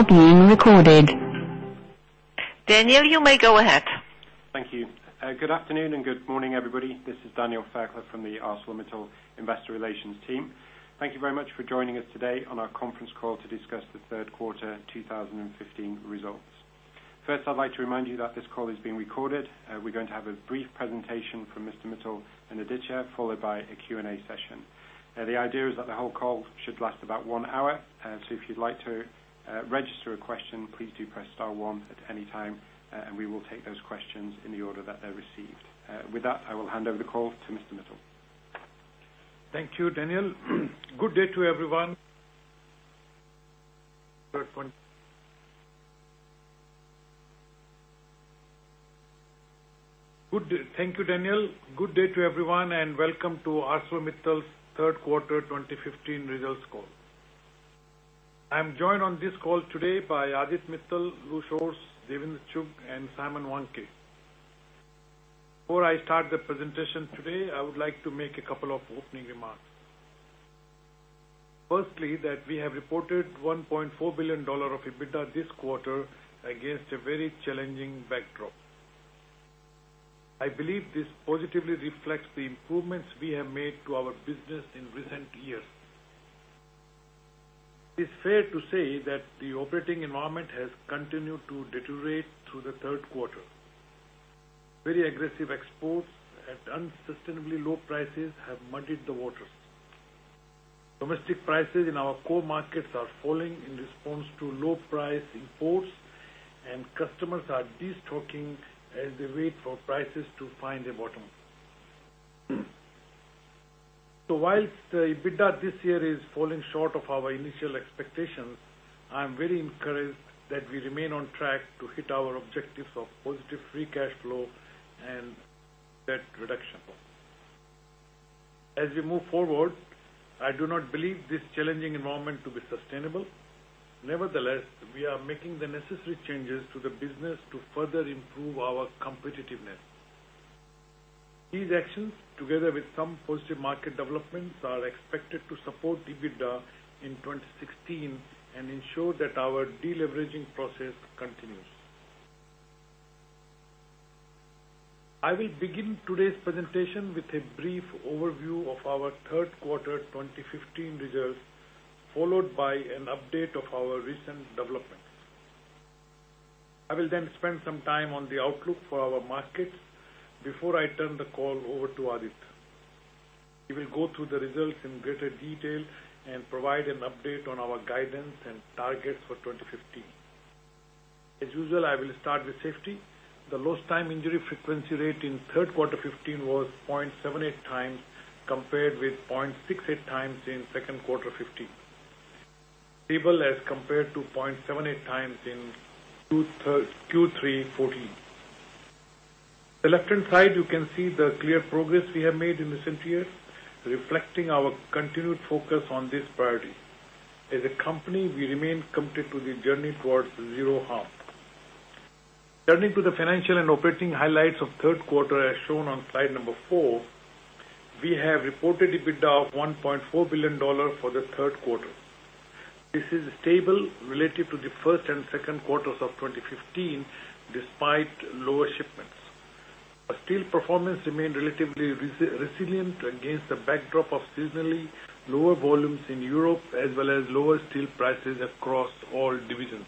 Are being recorded. Daniel, you may go ahead. Thank you. Good afternoon and good morning, everybody. This is Daniel Fairclough from the ArcelorMittal Investor Relations team. Thank you very much for joining us today on our conference call to discuss the third quarter 2015 results. First, I'd like to remind you that this call is being recorded. We're going to have a brief presentation from Mr. Mittal and Aditya, followed by a Q&A session. The idea is that the whole call should last about one hour. If you'd like to register a question, please do press star one at any time, and we will take those questions in the order that they're received. With that, I will hand over the call to Mr. Mittal. Thank you, Daniel. Good day to everyone. Thank you, Daniel. Good day to everyone, and welcome to ArcelorMittal's third quarter 2015 results call. I'm joined on this call today by Aditya Mittal, Lou Schorsch, Davinder Chugh, and Simon Wandke. Before I start the presentation today, I would like to make a couple of opening remarks. Firstly, that we have reported $1.4 billion of EBITDA this quarter against a very challenging backdrop. I believe this positively reflects the improvements we have made to our business in recent years. It is fair to say that the operating environment has continued to deteriorate through the third quarter. Very aggressive exports at unsustainably low prices have muddied the waters. Domestic prices in our core markets are falling in response to low-price imports, and customers are destocking as they wait for prices to find a bottom. Whilst the EBITDA this year is falling short of our initial expectations, I am very encouraged that we remain on track to hit our objectives of positive free cash flow and debt reduction. As we move forward, I do not believe this challenging environment to be sustainable. Nevertheless, we are making the necessary changes to the business to further improve our competitiveness. These actions, together with some positive market developments, are expected to support the EBITDA in 2016 and ensure that our de-leveraging process continues. I will begin today's presentation with a brief overview of our third quarter 2015 results, followed by an update of our recent developments. I will then spend some time on the outlook for our markets before I turn the call over to Ajit. He will go through the results in greater detail and provide an update on our guidance and targets for 2015. As usual, I will start with safety. The lost time injury frequency rate in third quarter 2015 was 0.78 times, compared with 0.68 times in second quarter 2015. Stable as compared to 0.78 times in Q3 2014. The left-hand side, you can see the clear progress we have made in recent years, reflecting our continued focus on this priority. As a company, we remain committed to the journey towards zero harm. Turning to the financial and operating highlights of third quarter 2015 as shown on slide number four, we have reported EBITDA of $1.4 billion for the third quarter 2015. This is stable relative to the first and second quarters of 2015, despite lower shipments. Our steel performance remained relatively resilient against the backdrop of seasonally lower volumes in Europe, as well as lower steel prices across all divisions.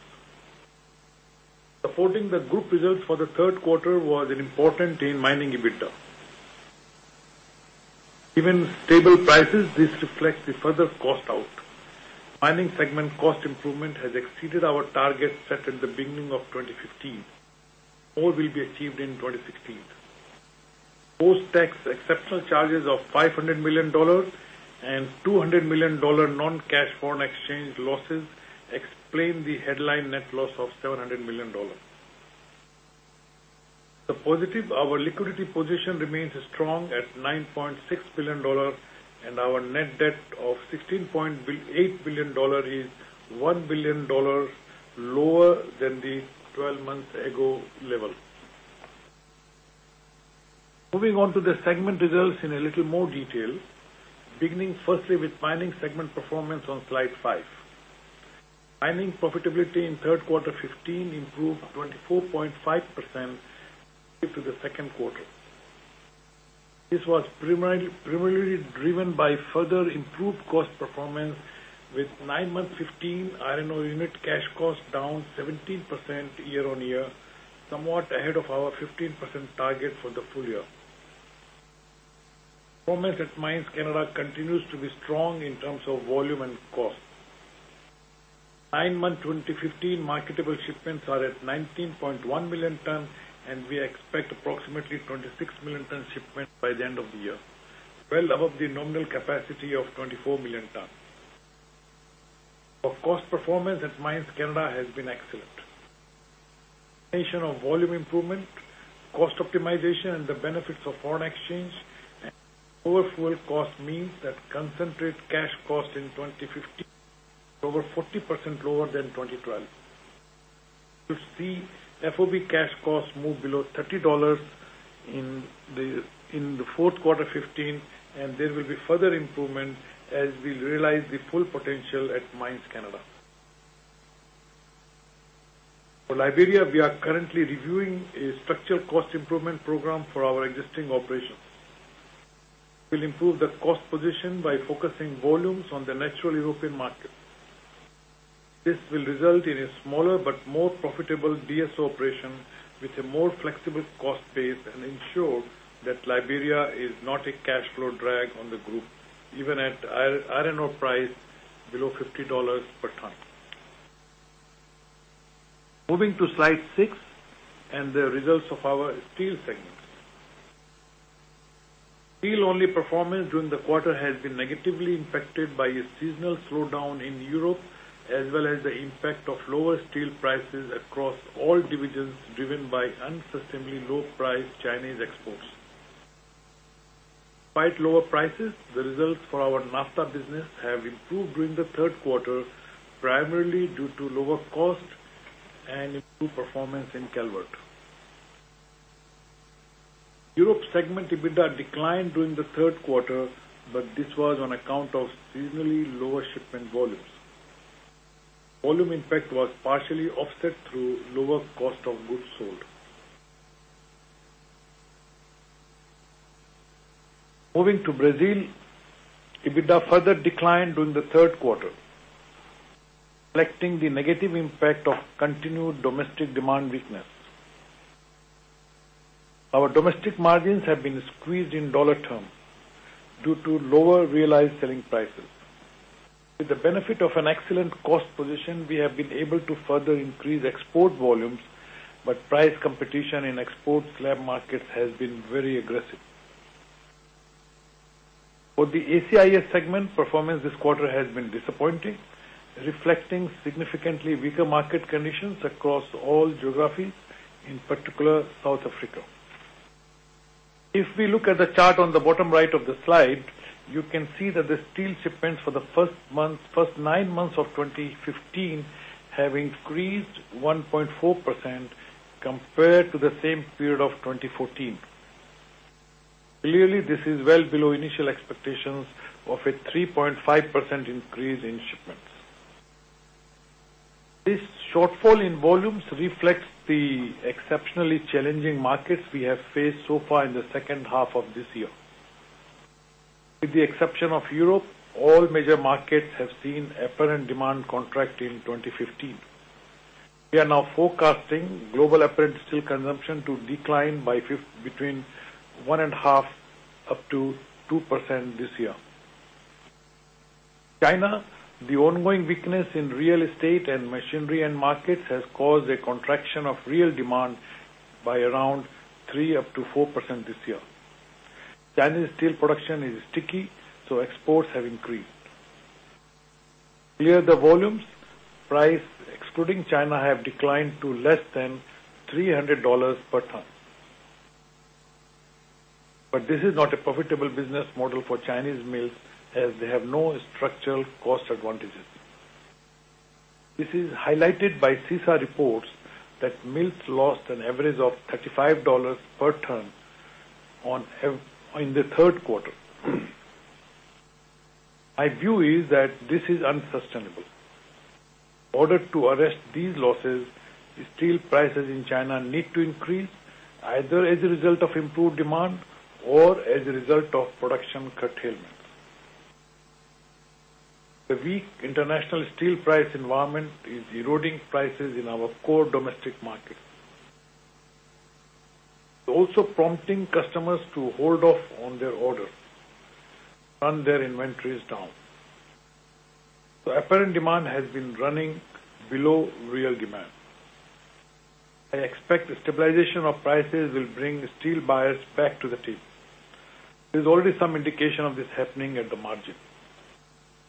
Supporting the group results for the third quarter was an important gain mining EBITDA. Given stable prices, this reflects the further cost out. Mining segment cost improvement has exceeded our target set at the beginning of 2015. More will be achieved in 2016. Post-tax exceptional charges of $500 million and $200 million non-cash foreign exchange losses explain the headline net loss of $700 million. The positive, our liquidity position remains strong at $9.6 billion, and our net debt of $16.8 billion is $1 billion lower than the 12 months ago level. Moving on to the segment results in a little more detail. Beginning firstly with mining segment performance on slide five. Mining profitability in third quarter 2015 improved 24.5% compared to the second quarter 2015. This was primarily driven by further improved cost performance with nine-month 2015 R&O unit cash cost down 17% year-on-year, somewhat ahead of our 15% target for the full year. Performance at Mines Canada continues to be strong in terms of volume and cost. Nine-month 2015 marketable shipments are at 19.1 million tonnes, and we expect approximately 26 million tonnes shipment by the end of the year. Well above the nominal capacity of 24 million tonnes. Our cost performance at Mines Canada has been excellent. A combination of volume improvement, cost optimization, and the benefits of foreign exchange and lower fuel cost means that concentrate cash cost in 2015 is over 40% lower than 2012. You'll see FOB cash costs move below $30 in the fourth quarter 2015, and there will be further improvement as we realize the full potential at Mines Canada. For Liberia, we are currently reviewing a structural cost improvement program for our existing operations. We'll improve the cost position by focusing volumes on the natural European market. This will result in a smaller but more profitable DSO operation with a more flexible cost base and ensure that Liberia is not a cash flow drag on the group, even at iron ore price below $50 per ton. Moving to slide six and the results of our steel segments. Steel-only performance during the quarter has been negatively impacted by a seasonal slowdown in Europe, as well as the impact of lower steel prices across all divisions driven by unsustainably low-priced Chinese exports. Despite lower prices, the results for our NAFTA business have improved during the third quarter, primarily due to lower cost and improved performance in Calvert. Europe segment EBITDA declined during the third quarter, but this was on account of seasonally lower shipment volumes. Volume impact was partially offset through lower cost of goods sold. Moving to Brazil, EBITDA further declined during the third quarter, reflecting the negative impact of continued domestic demand weakness. Our domestic margins have been squeezed in dollar terms due to lower realized selling prices. Price competition in export slab markets has been very aggressive. For the ACIS segment, performance this quarter has been disappointing, reflecting significantly weaker market conditions across all geographies, in particular South Africa. If we look at the chart on the bottom right of the slide, you can see that the steel shipments for the first nine months of 2015 have increased 1.4% compared to the same period of 2014. Clearly, this is well below initial expectations of a 3.5% increase in shipments. This shortfall in volumes reflects the exceptionally challenging markets we have faced so far in the second half of this year. With the exception of Europe, all major markets have seen apparent demand contract in 2015. We are now forecasting global apparent steel consumption to decline by between 1.5% up to 2% this year. China, the ongoing weakness in real estate and machinery end markets has caused a contraction of real demand by around 3% up to 4% this year. Chinese steel production is sticky, exports have increased. Clear the volumes, price excluding China, have declined to less than $300 per ton. This is not a profitable business model for Chinese mills, as they have no structural cost advantages. This is highlighted by CISA reports that mills lost an average of $35 per ton in the third quarter. My view is that this is unsustainable. In order to arrest these losses, steel prices in China need to increase, either as a result of improved demand or as a result of production curtailment. The weak international steel price environment is eroding prices in our core domestic markets. It's also prompting customers to hold off on their orders, run their inventories down. Apparent demand has been running below real demand. I expect the stabilization of prices will bring steel buyers back to the table. There's already some indication of this happening at the margin.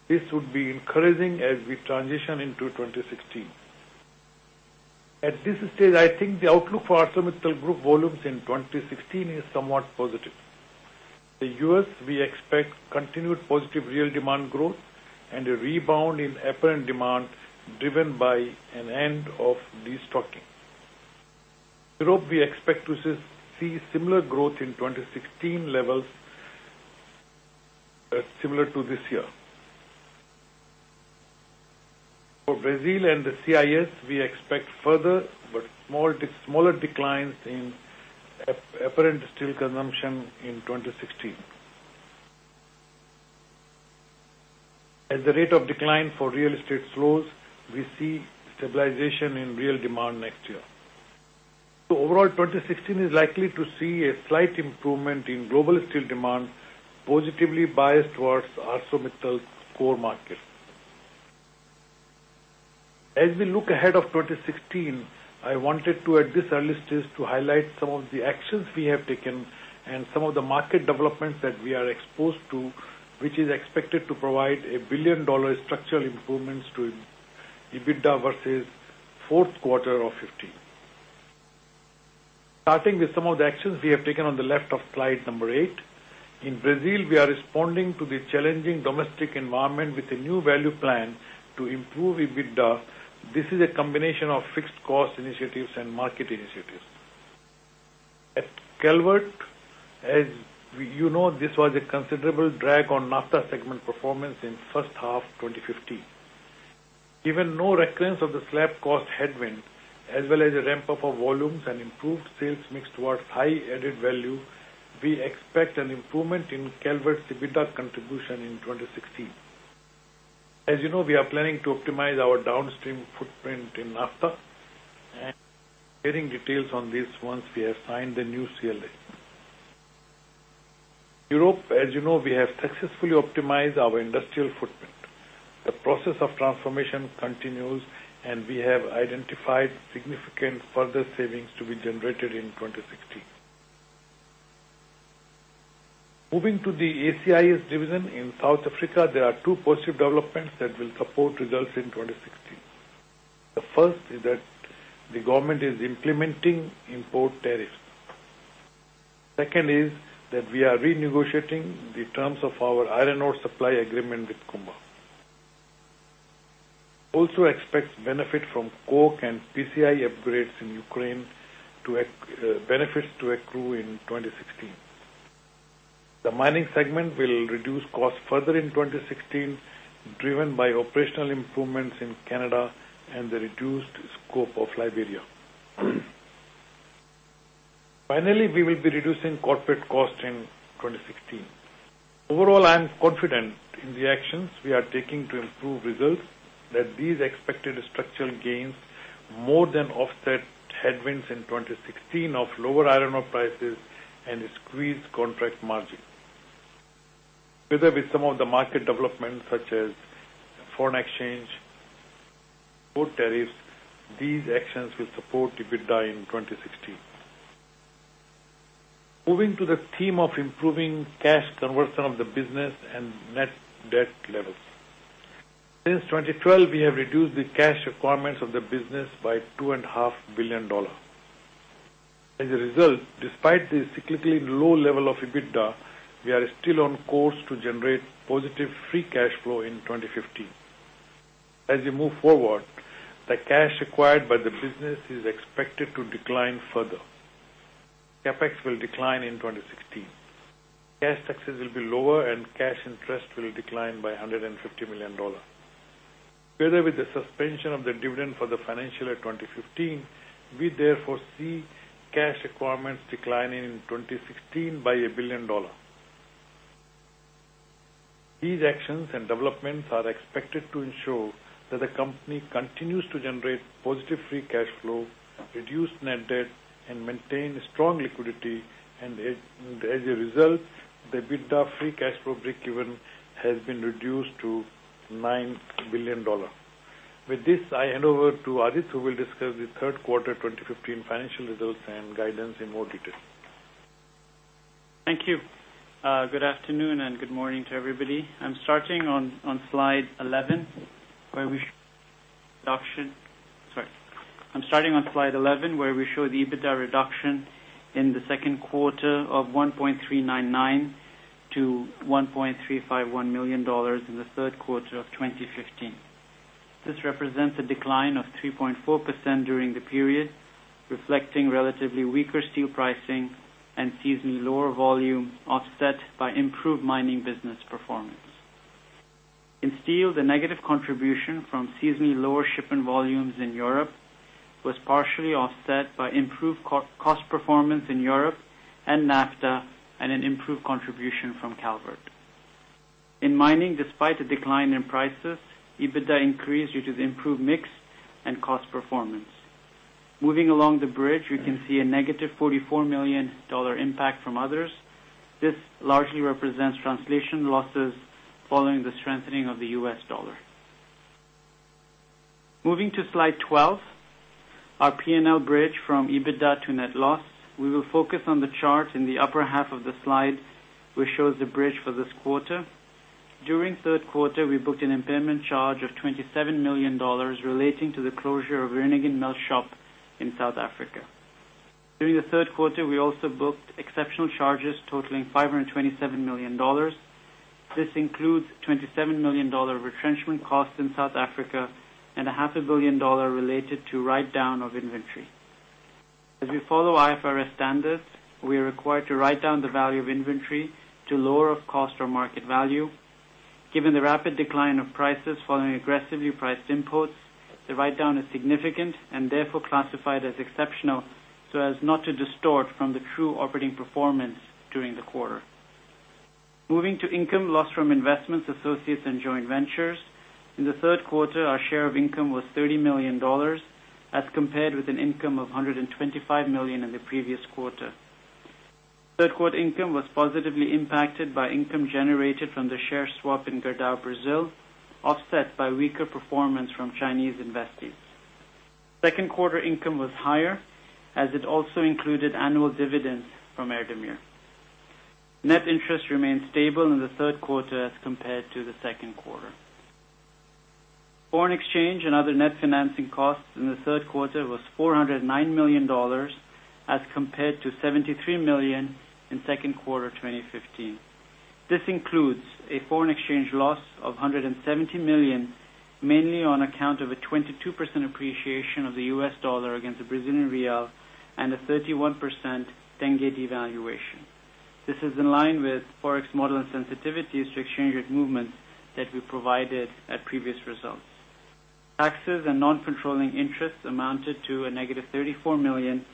This would be encouraging as we transition into 2016. At this stage, I think the outlook for ArcelorMittal group volumes in 2016 is somewhat positive. The U.S., we expect continued positive real demand growth and a rebound in apparent demand driven by an end of destocking. Europe, we expect to see similar growth in 2016 levels that are similar to this year. For Brazil and the CIS, we expect further but smaller declines in apparent steel consumption in 2016. As the rate of decline for real estate slows, we see stabilization in real demand next year. Overall, 2016 is likely to see a slight improvement in global steel demand, positively biased towards ArcelorMittal's core markets. As we look ahead of 2016, I wanted, at this early stage, to highlight some of the actions we have taken and some of the market developments that we are exposed to, which is expected to provide a billion-dollar structural improvements to EBITDA versus fourth quarter of 2015. Starting with some of the actions we have taken on the left of slide number eight. In Brazil, we are responding to the challenging domestic environment with a new value plan to improve EBITDA. This is a combination of fixed cost initiatives and market initiatives. At Calvert, as you know, this was a considerable drag on NAFTA segment performance in first half 2015. Given no recurrence of the slab cost headwind, as well as a ramp-up of volumes and improved sales mix towards high added value, we expect an improvement in Calvert's EBITDA contribution in 2016. As you know, we are planning to optimize our downstream footprint in NAFTA and sharing details on this once we have signed the new CLA. Europe, as you know, we have successfully optimized our industrial footprint. The process of transformation continues. We have identified significant further savings to be generated in 2016. Moving to the ACIS division in South Africa, there are two positive developments that will support results in 2016. The first is that the government is implementing import tariffs. Second is that we are renegotiating the terms of our iron ore supply agreement with Kumba. Also expect benefit from coke and PCI upgrades in Ukraine to benefits to accrue in 2016. The mining segment will reduce costs further in 2016, driven by operational improvements in Canada and the reduced scope of Liberia. Finally, we will be reducing corporate cost in 2016. Overall, I am confident in the actions we are taking to improve results, that these expected structural gains more than offset headwinds in 2016 of lower iron ore prices and a squeezed contract margin. Together with some of the market developments such as foreign exchange, port tariffs, these actions will support EBITDA in 2016. Moving to the theme of improving cash conversion of the business and net debt levels. Since 2012, we have reduced the cash requirements of the business by $2.5 billion. As a result, despite the cyclically low level of EBITDA, we are still on course to generate positive free cash flow in 2015. As we move forward, the cash required by the business is expected to decline further. CapEx will decline in 2016. Cash taxes will be lower, and cash interest will decline by $150 million. Together with the suspension of the dividend for the financial year 2015, we therefore see cash requirements declining in 2016 by a billion dollars. These actions and developments are expected to ensure that the company continues to generate positive free cash flow, reduce net debt, and maintain strong liquidity. As a result, the EBITDA free cash flow breakeven has been reduced to $9 billion. With this, I hand over to Aditya, who will discuss the third quarter 2015 financial results and guidance in more detail. Thank you. Good afternoon, and good morning to everybody. I'm starting on slide 11, where we show the EBITDA reduction in the second quarter of $1.399 million to $1.351 million in the third quarter of 2015. This represents a decline of 3.4% during the period, reflecting relatively weaker steel pricing and seasonally lower volume offset by improved mining business performance. In steel, the negative contribution from seasonally lower shipping volumes in Europe was partially offset by improved cost performance in Europe and NAFTA, and an improved contribution from Calvert. In mining, despite a decline in prices, EBITDA increased due to the improved mix and cost performance. Moving along the bridge, you can see a negative $44 million impact from others. This largely represents translation losses following the strengthening of the U.S. dollar. Moving to slide 12, our P&L bridge from EBITDA to net loss. We will focus on the chart in the upper half of the slide, which shows the bridge for this quarter. During third quarter, we booked an impairment charge of $27 million relating to the closure of Vereeniging melt shop in South Africa. During the third quarter, we also booked exceptional charges totaling $527 million. This includes $27 million retrenchment cost in South Africa and a half a billion dollar related to write-down of inventory. As we follow IFRS standards, we are required to write down the value of inventory to lower of cost or market value. Given the rapid decline of prices following aggressively priced imports, the write-down is significant and therefore classified as exceptional so as not to distort from the true operating performance during the quarter. Moving to income loss from investments, associates, and joint ventures. In the third quarter, our share of income was $30 million, as compared with an income of $125 million in the previous quarter. Third quarter income was positively impacted by income generated from the share swap in Gerdau, Brazil, offset by weaker performance from Chinese investees. Second quarter income was higher as it also included annual dividends from Erdemir. Net interest remained stable in the third quarter as compared to the second quarter. Foreign exchange and other net financing costs in the third quarter was $409 million as compared to $73 million in second quarter 2015. This includes a foreign exchange loss of $170 million, mainly on account of a 22% appreciation of the U.S. dollar against the Brazilian real and a 31% KZT devaluation. This is in line with Forex model and sensitivities to exchange rate movements that we provided at previous results. Taxes and non-controlling interests amounted to negative $34 million.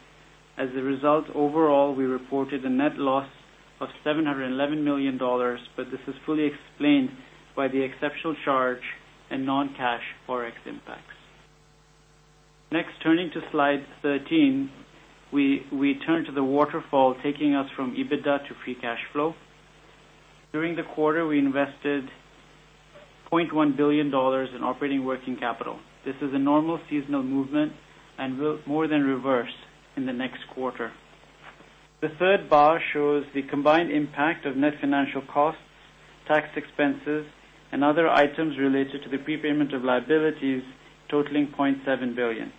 As a result, overall, we reported a net loss of $711 million, but this is fully explained by the exceptional charge and non-cash ForEx impacts. Next, turning to slide 13, we turn to the waterfall, taking us from EBITDA to free cash flow. During the quarter, we invested $0.1 billion in operating working capital. This is a normal seasonal movement and will more than reverse in the next quarter. The third bar shows the combined impact of net financial costs, tax expenses, and other items related to the prepayment of liabilities totaling $0.7 billion.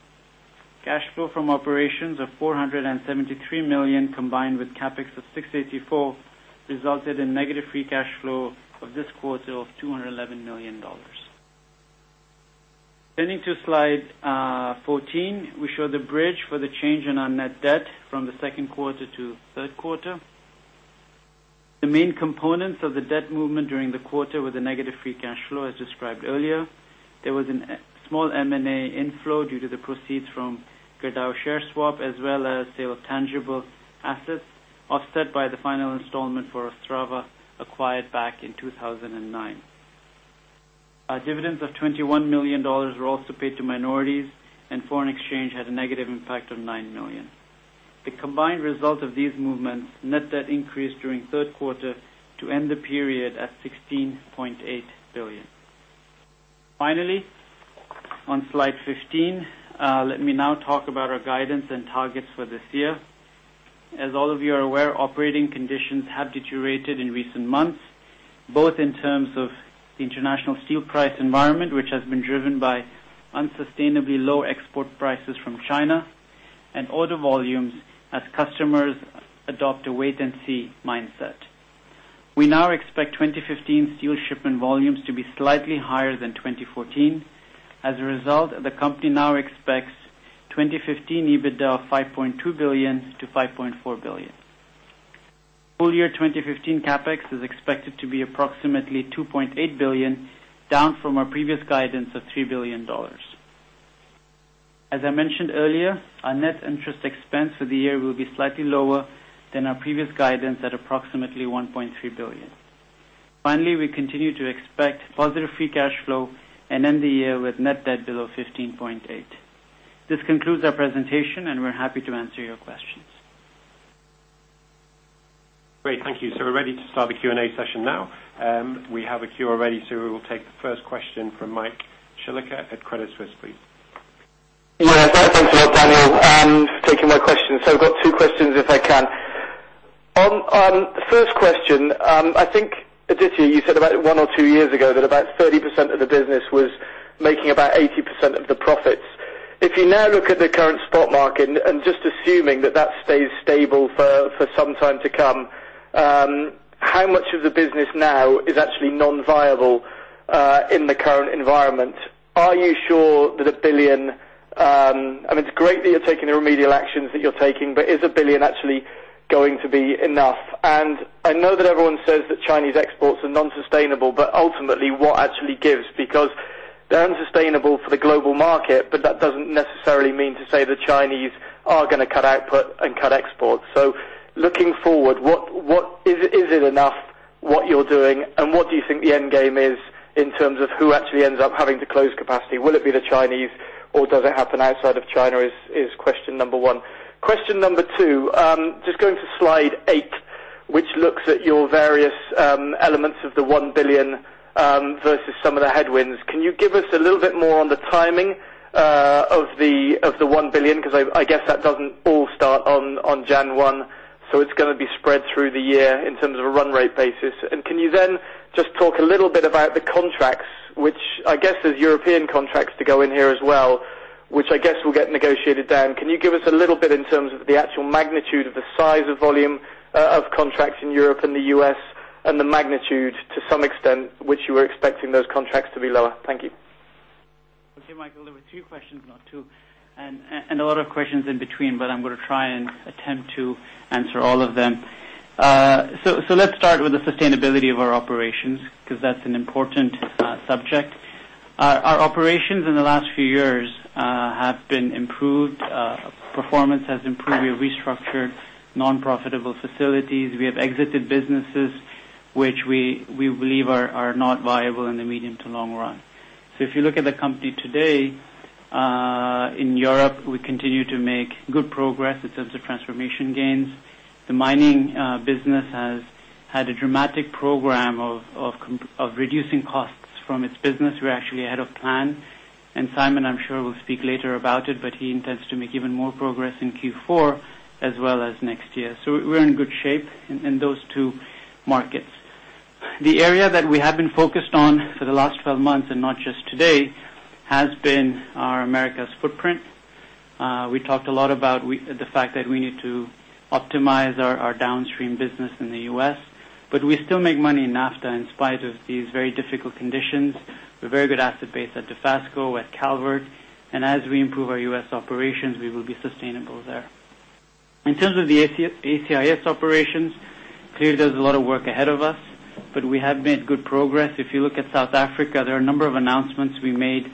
Cash flow from operations of $473 million, combined with CapEx of $684, resulted in negative free cash flow of this quarter of $211 million. Turning to slide 14, we show the bridge for the change in our net debt from the second quarter to third quarter. The main components of the debt movement during the quarter were the negative free cash flow, as described earlier. There was a small M&A inflow due to the proceeds from Gerdau share swap, as well as sale of tangible assets, offset by the final installment for Ostrava, acquired back in 2009. Our dividends of $21 million were also paid to minorities, and foreign exchange had a negative impact of $9 million. The combined result of these movements, net debt increased during third quarter to end the period at 16.8 billion. Finally, on slide 15, let me now talk about our guidance and targets for this year. As all of you are aware, operating conditions have deteriorated in recent months, both in terms of the international steel price environment, which has been driven by unsustainably low export prices from China, and order volumes as customers adopt a wait-and-see mindset. We now expect 2015 steel shipment volumes to be slightly higher than 2014. As a result, the company now expects 2015 EBITDA of 5.2 billion-5.4 billion. Full year 2015 CapEx is expected to be approximately 2.8 billion, down from our previous guidance of $3 billion. As I mentioned earlier, our net interest expense for the year will be slightly lower than our previous guidance at approximately 1.3 billion. Finally, we continue to expect positive free cash flow and end the year with net debt below 15.8 billion. This concludes our presentation, and we're happy to answer your questions. Great. Thank you. We're ready to start the Q&A session now. We have a queue already, we will take the first question from Michael Shillaker at Credit Suisse, please. Yes. Thanks a lot, Daniel, for taking my question. I've got two questions if I can. First question, I think, Aditya, you said about one or two years ago that about 30% of the business was making about 80% of the profits. If you now look at the current spot market and just assuming that that stays stable for some time to come, how much of the business now is actually non-viable in the current environment? I mean, it's great that you're taking the remedial actions that you're taking, but is 1 billion actually going to be enough? I know that everyone says that Chinese exports are non-sustainable, ultimately what actually gives? They're unsustainable for the global market, that doesn't necessarily mean to say the Chinese are going to cut output and cut exports. Looking forward, is it enough what you're doing, and what do you think the end game is in terms of who actually ends up having to close capacity? Will it be the Chinese or does it happen outside of China, is question 1. Question 2, just going to slide eight, which looks at your various elements of the $1 billion versus some of the headwinds. Can you give us a little bit more on the timing of the $1 billion? Because I guess that doesn't all start on January 1, so it's going to be spread through the year in terms of a run rate basis. Can you then just talk a little bit about the contracts, which I guess there's European contracts to go in here as well, which I guess will get negotiated down. Can you give us a little bit in terms of the actual magnitude of the size of volume of contracts in Europe and the U.S. and the magnitude to some extent which you are expecting those contracts to be lower? Thank you. Okay, Michael, there were three questions, not two, and a lot of questions in between, but I'm going to try and attempt to answer all of them. Let's start with the sustainability of our operations, because that's an important subject. Our operations in the last few years have been improved. Performance has improved. We have restructured non-profitable facilities. We have exited businesses which we believe are not viable in the medium to long run. If you look at the company today, in Europe, we continue to make good progress in terms of transformation gains. The mining business has had a dramatic program of reducing costs from its business. We're actually ahead of plan, and Simon, I'm sure, will speak later about it, but he intends to make even more progress in Q4 as well as next year. We're in good shape in those two Markets. The area that we have been focused on for the last 12 months, and not just today, has been our Americas footprint. We talked a lot about the fact that we need to optimize our downstream business in the U.S., but we still make money in NAFTA in spite of these very difficult conditions. We have a very good asset base at Dofasco, at Calvert, and as we improve our U.S. operations, we will be sustainable there. In terms of the ACIS operations, clearly, there's a lot of work ahead of us, but we have made good progress. If you look at South Africa, there are a number of announcements we made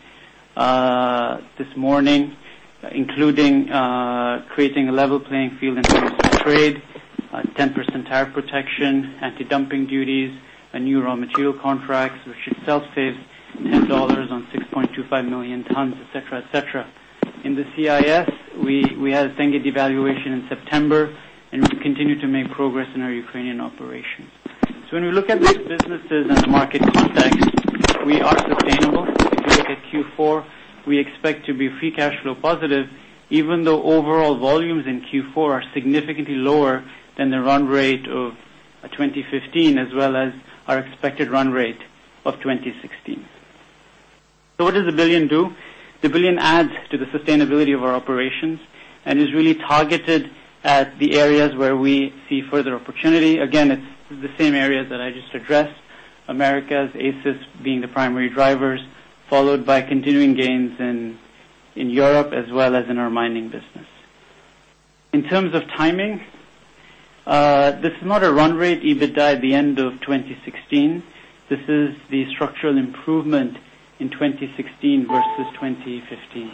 this morning, including creating a level playing field in terms of trade, 10% tariff protection, anti-dumping duties, and new raw material contracts, which itself saves $10 on 6.25 million tons, et cetera. In the CIS, we had a KZT devaluation in September. We continue to make progress in our Ukrainian operation. When we look at these businesses in the market context, we are sustainable. If you look at Q4, we expect to be free cash flow positive, even though overall volumes in Q4 are significantly lower than the run rate of 2015, as well as our expected run rate of 2016. What does the $1 billion do? The $1 billion adds to the sustainability of our operations and is really targeted at the areas where we see further opportunity. Again, it's the same areas that I just addressed. Americas, ACIS being the primary drivers, followed by continuing gains in Europe as well as in our mining business. In terms of timing, this is not a run rate EBITDA at the end of 2016. This is the structural improvement in 2016 versus 2015.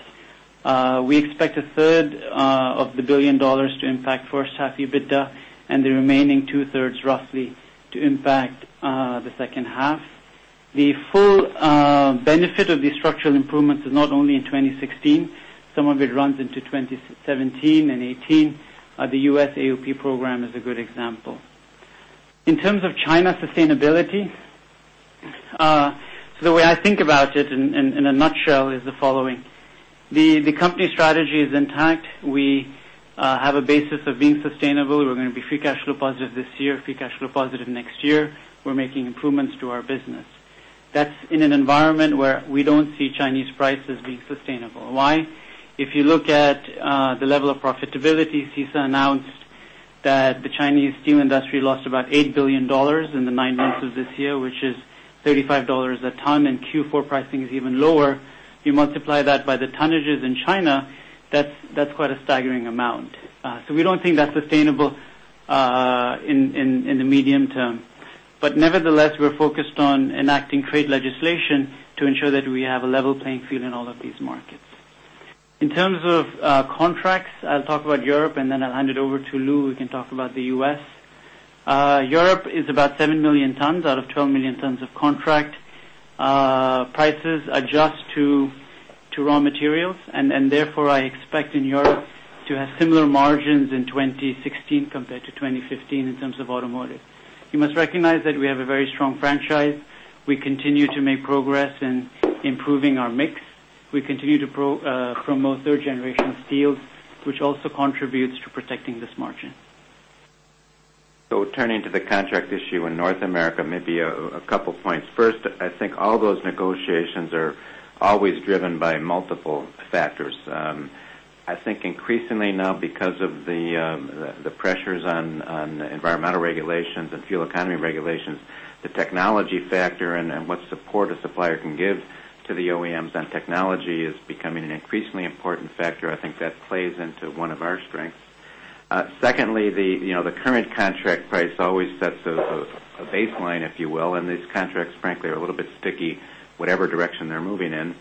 We expect a third of the $1 billion to impact first half EBITDA and the remaining two-thirds, roughly, to impact the second half. The full benefit of the structural improvements is not only in 2016. Some of it runs into 2017 and 2018. The U.S. AOP program is a good example. In terms of China sustainability, the way I think about it in a nutshell is the following. The company strategy is intact. We have a basis of being sustainable. We're going to be free cash flow positive this year, free cash flow positive next year. We're making improvements to our business. That's in an environment where we don't see Chinese prices being sustainable. Why? If you look at the level of profitability, CISA announced that the Chinese steel industry lost about $8 billion in the nine months of this year, which is $35 a ton, and Q4 pricing is even lower. You multiply that by the tonnages in China, that's quite a staggering amount. We don't think that's sustainable in the medium term. Nevertheless, we're focused on enacting trade legislation to ensure that we have a level playing field in all of these markets. In terms of contracts, I'll talk about Europe. Then I'll hand it over to Lou, who can talk about the U.S. Europe is about 7 million tons out of 12 million tons of contract. Prices adjust to raw materials. Therefore, I expect in Europe to have similar margins in 2016 compared to 2015 in terms of automotive. You must recognize that we have a very strong franchise. We continue to make progress in improving our mix. We continue to promote third-generation steels, which also contributes to protecting this margin. Turning to the contract issue in North America, maybe a couple points. First, I think all those negotiations are always driven by multiple factors. I think increasingly now because of the pressures on environmental regulations and fuel economy regulations, the technology factor and what support a supplier can give to the OEMs on technology is becoming an increasingly important factor. I think that plays into one of our strengths. Secondly, the current contract price always sets a baseline, if you will, and these contracts, frankly, are a little bit sticky, whatever direction they're moving in.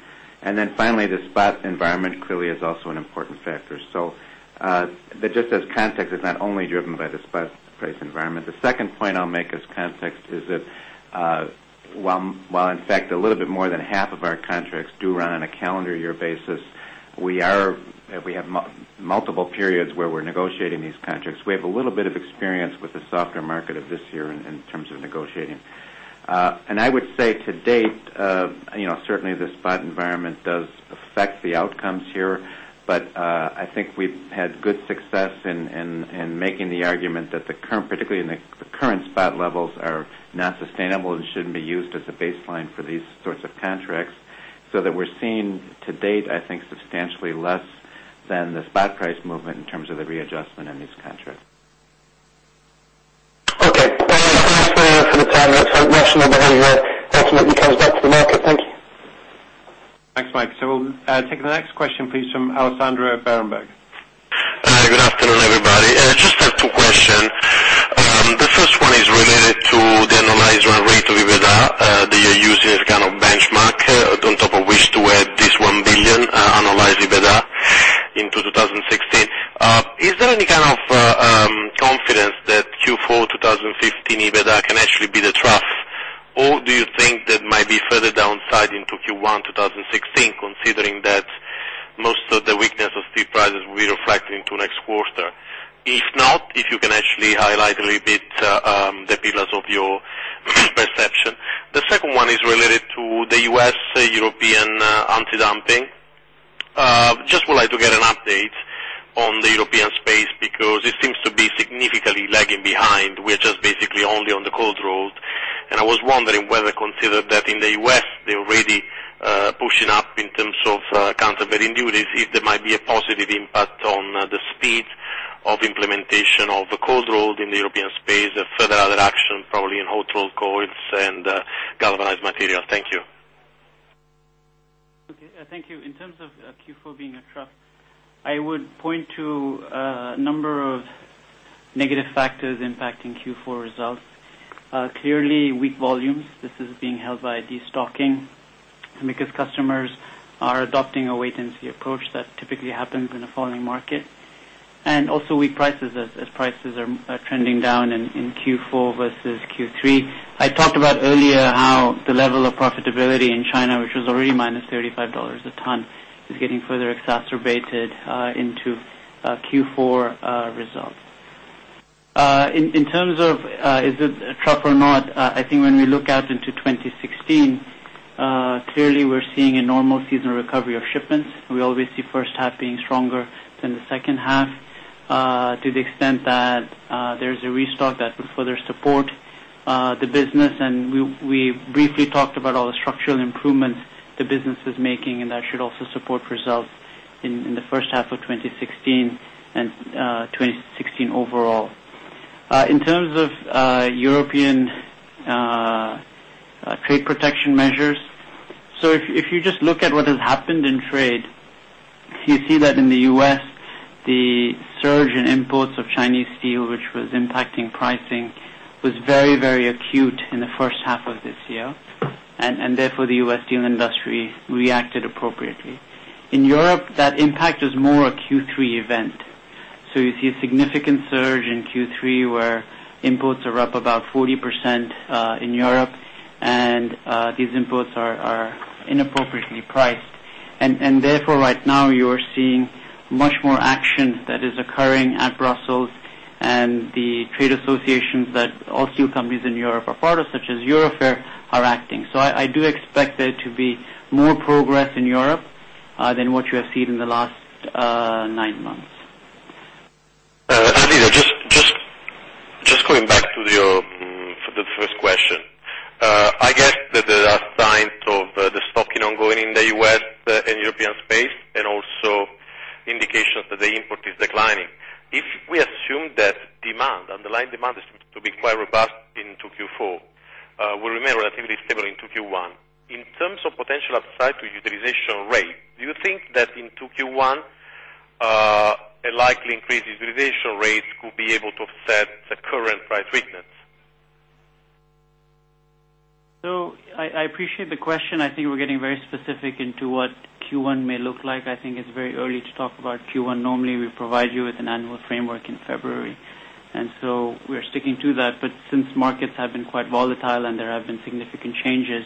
Finally, the spot environment clearly is also an important factor. Just as context, it's not only driven by the spot price environment. The second point I'll make as context is that while, in fact, a little bit more than half of our contracts do run on a calendar year basis, we have multiple periods where we're negotiating these contracts. We have a little bit of experience with the softer market of this year in terms of negotiating. I would say to date, certainly the spot environment does affect the outcomes here, but I think we've had good success in making the argument that, particularly in the current spot levels, are not sustainable and shouldn't be used as a baseline for these sorts of contracts, so that we're seeing to date, I think, substantially less than the spot price movement in terms of the readjustment in these contracts. Okay. Thanks very much for the time. National behavior ultimately comes back to the market. Thank you. Thanks, Mike. We'll take the next question, please, from Alessandro Berenberg. Good afternoon, everybody. Just have two questions. The first one is related to the analyzed run rate of EBITDA that you're using as a kind of benchmark on top of which to add this $1 billion analyzed EBITDA into 2016. Is there any kind of confidence that Q4 2015 EBITDA can actually be the trough? Do you think there might be further downside into Q1 2016, considering that most of the weakness of steel prices will be reflected into next quarter? If not, if you can actually highlight a little bit the pillars of your perception. The second one is related to the U.S.-European anti-dumping. I just would like to get an update on the European space, because it seems to be significantly lagging behind. We're just basically only on the cold rolled. I was wondering whether, considered that in the U.S. they're already pushing up in terms of countervailing duties, if there might be a positive impact on the speed of implementation of the cold rolled in the European space, a further other action, probably in hot rolled coils and galvanized material. Thank you. Okay, thank you. In terms of Q4 being a trough, I would point to a number of negative factors impacting Q4 results. Clearly weak volumes. This is being held by destocking, because customers are adopting a wait-and-see approach that typically happens in a falling market. Also weak prices, as prices are trending down in Q4 versus Q3. I talked about earlier how the level of profitability in China, which was already -$35 a ton, is getting further exacerbated into Q4 results. In terms of is it a trough or not, I think when we look out into 2016, clearly we're seeing a normal seasonal recovery of shipments. We always see first half being stronger than the second half, to the extent that there's a restock that will further support the business, and we briefly talked about all the structural improvements the business is making, and that should also support results in the first half of 2016 and 2016 overall. In terms of European trade protection measures, if you just look at what has happened in trade, you see that in the U.S., the surge in imports of Chinese steel, which was impacting pricing, was very acute in the first half of this year, and therefore, the U.S. steel industry reacted appropriately. In Europe, that impact is more a Q3 event. You see a significant surge in Q3 where imports are up about 40% in Europe, and these imports are inappropriately priced. Right now you are seeing much more action that is occurring at Brussels and the trade associations that all steel companies in Europe are part of, such as Eurofer, are acting. I do expect there to be more progress in Europe than what you have seen in the last nine months. Aloysio, just going back to the first question. I guess that there are signs of destocking ongoing in the U.S. and European space, and also indications that the import is declining. If we assume that demand, underlying demand, is to be quite robust into Q4, will remain relatively stable into Q1. In terms of potential upside to utilization rate, do you think that into Q1, a likely increase utilization rate could be able to offset the current price weakness? I appreciate the question. I think we're getting very specific into what Q1 may look like. I think it's very early to talk about Q1. Normally we provide you with an annual framework in February, we're sticking to that, since markets have been quite volatile and there have been significant changes,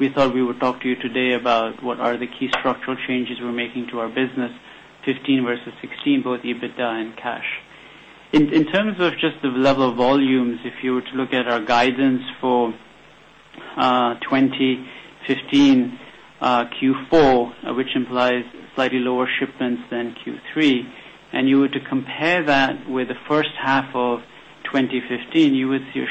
we thought we would talk to you today about what are the key structural changes we're making to our business 2015 versus 2016, both EBITDA and cash. In terms of just the level of volumes, if you were to look at our guidance for 2015 Q4, which implies slightly lower shipments than Q3, and you were to compare that with the first half of 2015, you would see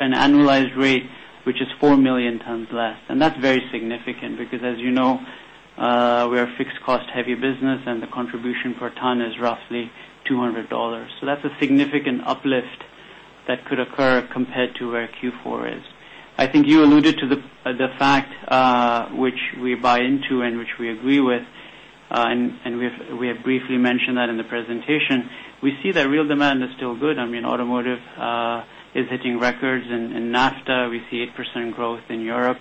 an annualized rate which is four million tons less. That's very significant because as you know, we're a fixed cost-heavy business and the contribution per ton is roughly $200. That's a significant uplift that could occur compared to where Q4 is. I think you alluded to the fact, which we buy into and which we agree with, and we have briefly mentioned that in the presentation. We see that real demand is still good. Automotive is hitting records in NAFTA. We see 8% growth in Europe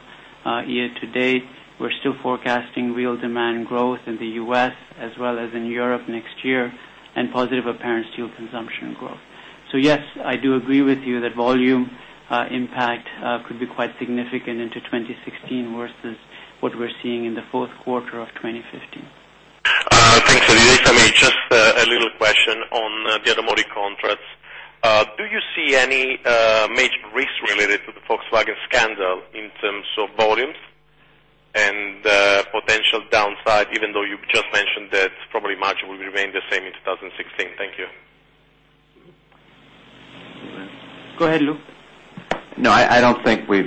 year to date. We're still forecasting real demand growth in the U.S. as well as in Europe next year, and positive apparent steel consumption growth. Yes, I do agree with you that volume impact could be quite significant into 2016 versus what we're seeing in the fourth quarter of 2015. Thanks, Aloysio. Just a little question on the automotive contracts. Do you see any major risks related to the Volkswagen scandal in terms of volumes and potential downside, even though you just mentioned that probably margin will remain the same in 2016? Thank you. Go ahead, Lou. I don't think we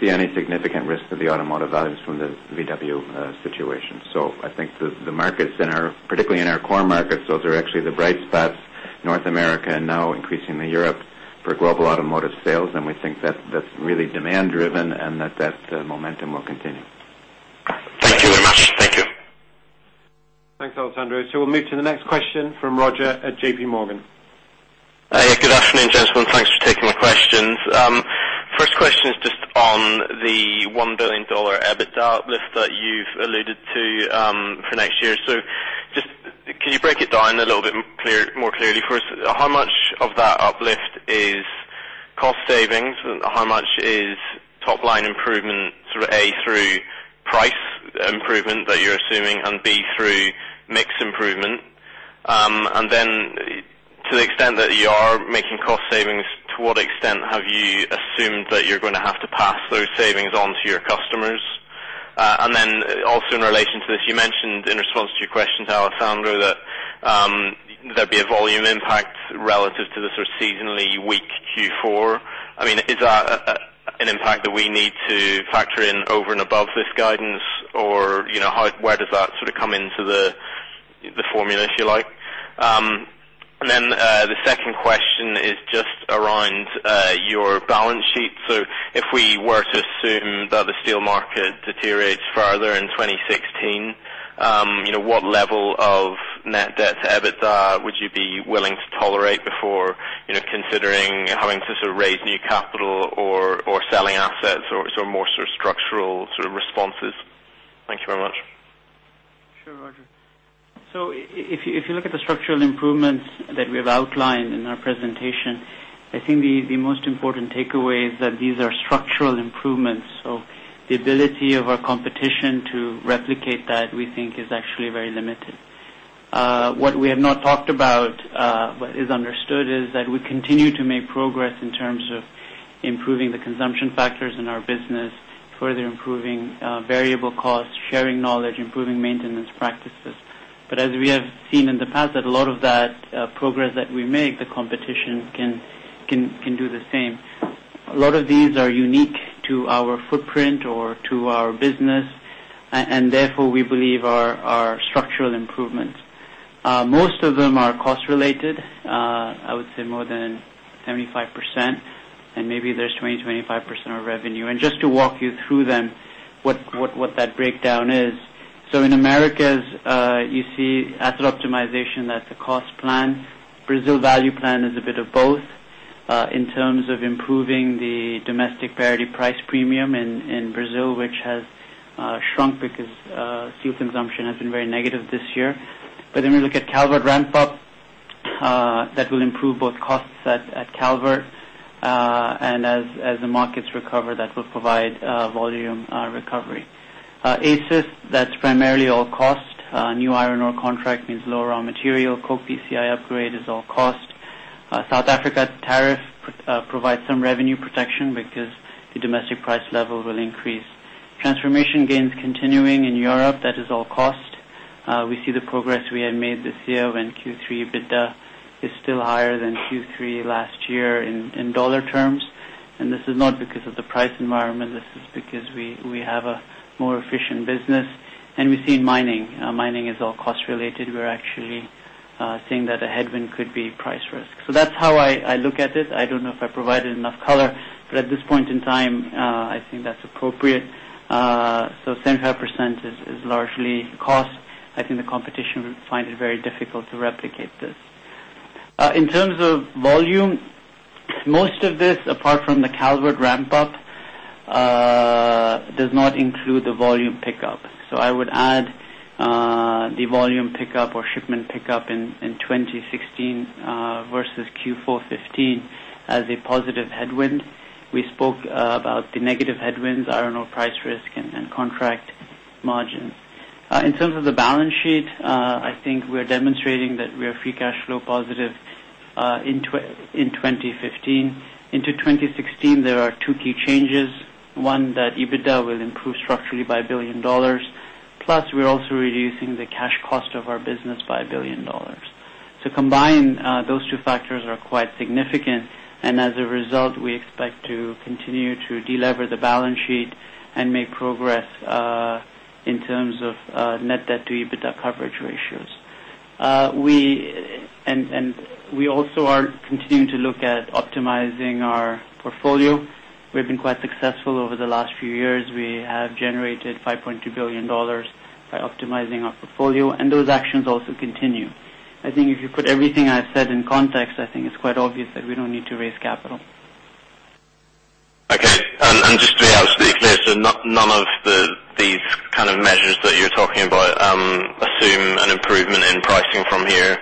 see any significant risk to the automotive volumes from the VW situation. I think the markets, particularly in our core markets, those are actually the bright spots, North America and now increasingly Europe, for global automotive sales. We think that's really demand-driven and that momentum will continue. Thank you very much. Thank you. Thanks, Alessandro. We'll move to the next question from Roger at JPMorgan. Good afternoon, gentlemen. Thanks for taking the questions. First question is just on the EUR 1 billion EBITDA uplift that you've alluded to for next year. Can you break it down a little bit more clearly for us? How much of that uplift is cost savings and how much is top line improvement, A, through price improvement that you're assuming, and B, through mix improvement? To the extent that you are making cost savings, to what extent have you assumed that you're going to have to pass those savings on to your customers? Also in relation to this, you mentioned in response to your question to Alessandro that there'd be a volume impact relative to the sort of seasonally weak Q4. Is that an impact that we need to factor in over and above this guidance? Where does that come into the formula, if you like? The second question is just around your balance sheet. If we were to assume that the steel market deteriorates further in 2016, what level of net debt to EBITDA would you be willing to tolerate before considering having to raise new capital or selling assets or more structural responses? Thank you very much. Sure, Roger. If you look at the structural improvements that we have outlined in our presentation, I think the most important takeaway is that these are structural improvements. The ability of our competition to replicate that, we think, is actually very limited. What we have not talked about, but is understood, is that we continue to make progress in terms of improving the consumption factors in our business, further improving variable costs, sharing knowledge, improving maintenance practices. As we have seen in the past, that a lot of that progress that we make, the competition can do the same. A lot of these are unique to our footprint or to our business, and therefore, we believe, are structural improvements. Most of them are cost-related, I would say more than 75%, and maybe there's 20%, 25% are revenue. Just to walk you through then what that breakdown is. In Americas, you see asset optimization, that's a cost plan. Brazil value plan is a bit of both in terms of improving the domestic parity price premium in Brazil, which has shrunk because steel consumption has been very negative this year. We look at Calvert ramp-up, that will improve both costs at Calvert, and as the markets recover, that will provide volume recovery. ACIS, that's primarily all cost. New iron ore contract means lower raw material. Coke PCI upgrade is all cost. South Africa tariff provides some revenue protection because the domestic price level will increase. Transformation gains continuing in Europe, that is all cost. We see the progress we had made this year when Q3 EBITDA is still higher than Q3 last year in dollar terms, this is not because of the price environment, this is because we have a more efficient business. We see mining. Mining is all cost-related. We're actually seeing that a headwind could be price risk. That's how I look at it. I don't know if I provided enough color, but at this point in time, I think that's appropriate. 75% is largely cost. I think the competition will find it very difficult to replicate this. In terms of volume, most of this, apart from the Calvert ramp-up, does not include the volume pickup. I would add the volume pickup or shipment pickup in 2016 versus Q4 2015 as a positive headwind. We spoke about the negative headwinds, iron ore price risk, and contract margins. In terms of the balance sheet, I think we're demonstrating that we are free cash flow positive in 2015. Into 2016, there are two key changes. One, that EBITDA will improve structurally by $1 billion. We're also reducing the cash cost of our business by $1 billion. To combine, those two factors are quite significant, and as a result, we expect to continue to delever the balance sheet and make progress in terms of net debt to EBITDA coverage ratios. We also are continuing to look at optimizing our portfolio. We've been quite successful over the last few years. We have generated $5.2 billion by optimizing our portfolio, and those actions also continue. I think if you put everything I said in context, I think it's quite obvious that we don't need to raise capital. Okay. Just to be absolutely clear, none of these kind of measures that you're talking about assume an improvement in pricing from here?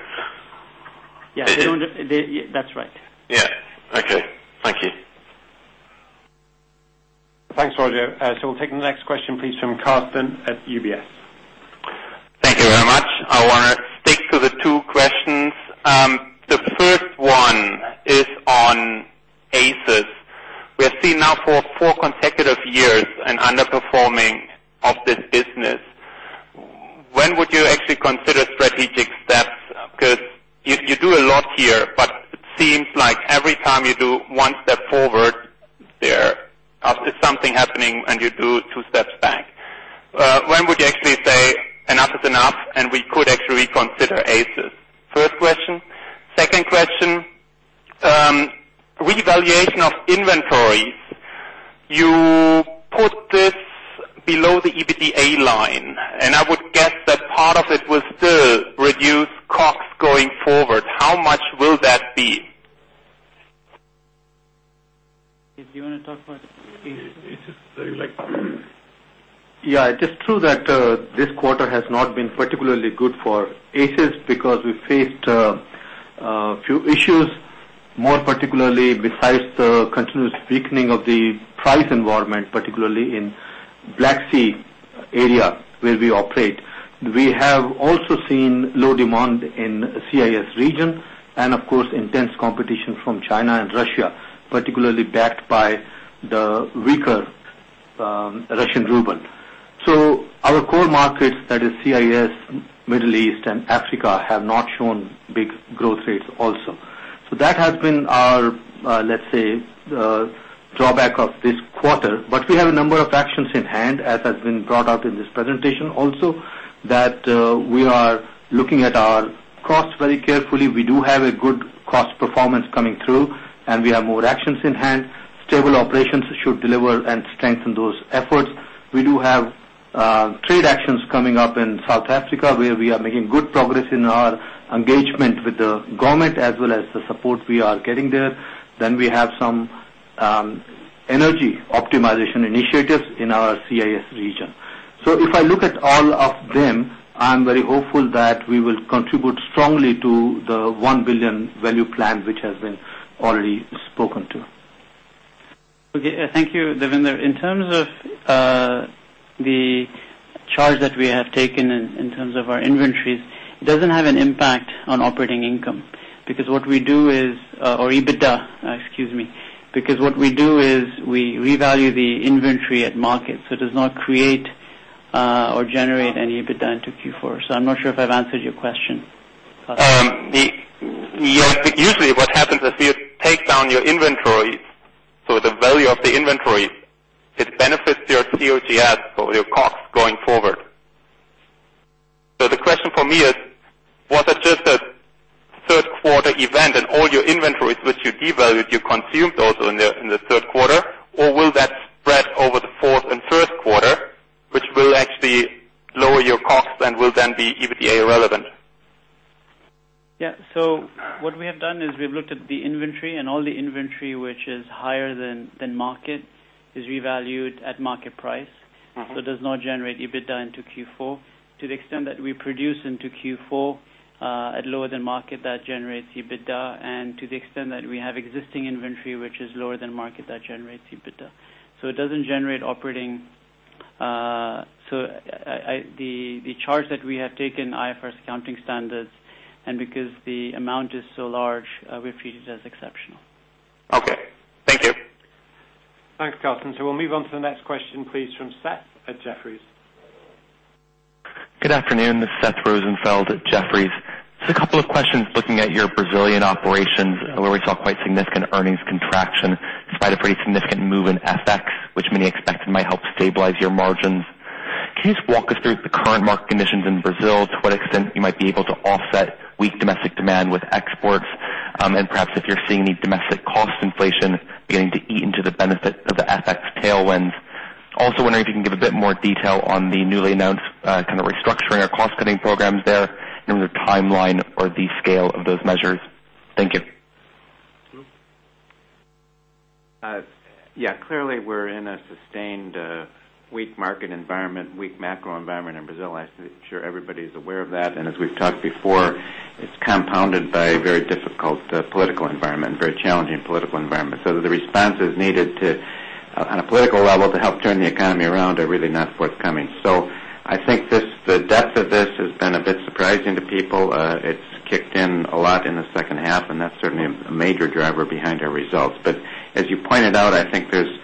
Yeah. That's right. Yeah. Okay. Thank you. Thanks, Roger. We'll take the next question, please, from Carsten at UBS. Thank you very much. I want to stick to the two questions. The first one is on ACIS. We have seen now for four consecutive years an underperforming of this business. When would you actually consider strategic steps? You do a lot here, but it seems like every time you do one step forward, there is something happening, and you do two steps back. When would you actually say enough is enough, and we could actually reconsider ACIS? First question. Second question, revaluation of inventories. You put this below the EBITDA line, and I would guess that part of it will still reduce costs going forward. How much will that be? If you want to talk about it, please. It's just like Yeah. Just true that this quarter has not been particularly good for ACIS because we faced a few issues. More particularly, besides the continuous weakening of the price environment, particularly in Black Sea area where we operate, we have also seen low demand in CIS region, and of course, intense competition from China and Russia, particularly backed by the weaker Russian ruble. Our core markets, that is CIS, Middle East, and Africa, have not shown big growth rates also. That has been our, let's say, drawback of this quarter. We have a number of actions in hand, as has been brought out in this presentation also, that we are looking at our costs very carefully. We do have a good cost performance coming through, and we have more actions in hand. Stable operations should deliver and strengthen those efforts. We do have trade actions coming up in South Africa, where we are making good progress in our engagement with the government as well as the support we are getting there. We have some energy optimization initiatives in our CIS region. If I look at all of them, I'm very hopeful that we will contribute strongly to the $1 billion value plan, which has been already spoken to. Thank you, Devinder. In terms of the charge that we have taken in terms of our inventories, it doesn't have an impact on operating income. Or EBITDA, excuse me. What we do is we revalue the inventory at market, so it does not create or generate any EBITDA into Q4. I'm not sure if I've answered your question. Yes. Usually what happens is you take down your inventory. The value of the inventory, it benefits your COGS or your costs going forward. The question for me is, was it just a third quarter event and all your inventories which you devalued, you consumed those in the third quarter, or will that spread over the fourth and first quarter, which will actually lower your cost and will then be EBITDA irrelevant? Yeah. What we have done is we've looked at the inventory, and all the inventory which is higher than market is revalued at market price. It does not generate EBITDA into Q4. To the extent that we produce into Q4 at lower than market, that generates EBITDA, and to the extent that we have existing inventory which is lower than market, that generates EBITDA. The charge that we have taken IFRS accounting standards, and because the amount is so large, we treat it as exceptional. Okay. Thank you. Thanks, Carsten. We'll move on to the next question, please, from Seth at Jefferies. Good afternoon. This is Seth Rosenfeld at Jefferies. Just a couple of questions looking at your Brazilian operations, where we saw quite significant earnings contraction despite a pretty significant move in FX, which many expected might help stabilize your margins. Can you just walk us through the current market conditions in Brazil, to what extent you might be able to offset weak domestic demand with exports, and perhaps if you're seeing any domestic cost inflation beginning to eat into the benefit of the FX tailwinds? Also wondering if you can give a bit more detail on the newly announced kind of restructuring or cost-cutting programs there in the timeline or the scale of those measures. Thank you. Yeah. Clearly, we're in a sustained weak market environment, weak macro environment in Brazil. I'm sure everybody's aware of that. As we've talked before, it's compounded by a very difficult political environment and very challenging political environment. The responses needed on a political level to help turn the economy around are really not forthcoming. I think the depth of this has been a bit surprising to people. It's kicked in a lot in the second half, and that's certainly a major driver behind our results. As you pointed out, I think there's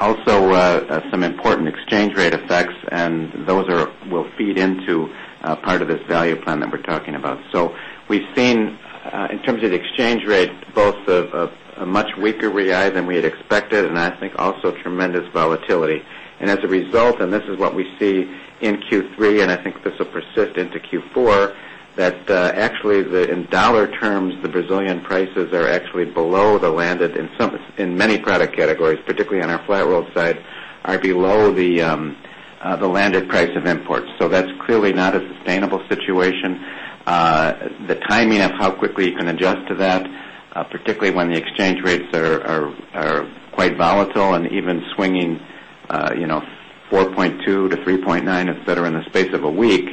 also some important exchange rate effects, and those will feed into part of this value plan that we're talking about. We've seen, in terms of the exchange rate, both a much weaker Real than we had expected, and I think also tremendous volatility. As a result, this is what we see in Q3, and I think this will persist into Q4, that actually in dollar terms, the Brazilian prices are actually below the landed in many product categories, particularly on our flat roll side, are below the landed price of imports. That's clearly not a sustainable situation. The timing of how quickly you can adjust to that, particularly when the exchange rates are quite volatile and even swinging 4.2 to 3.9, etc., in the space of a week,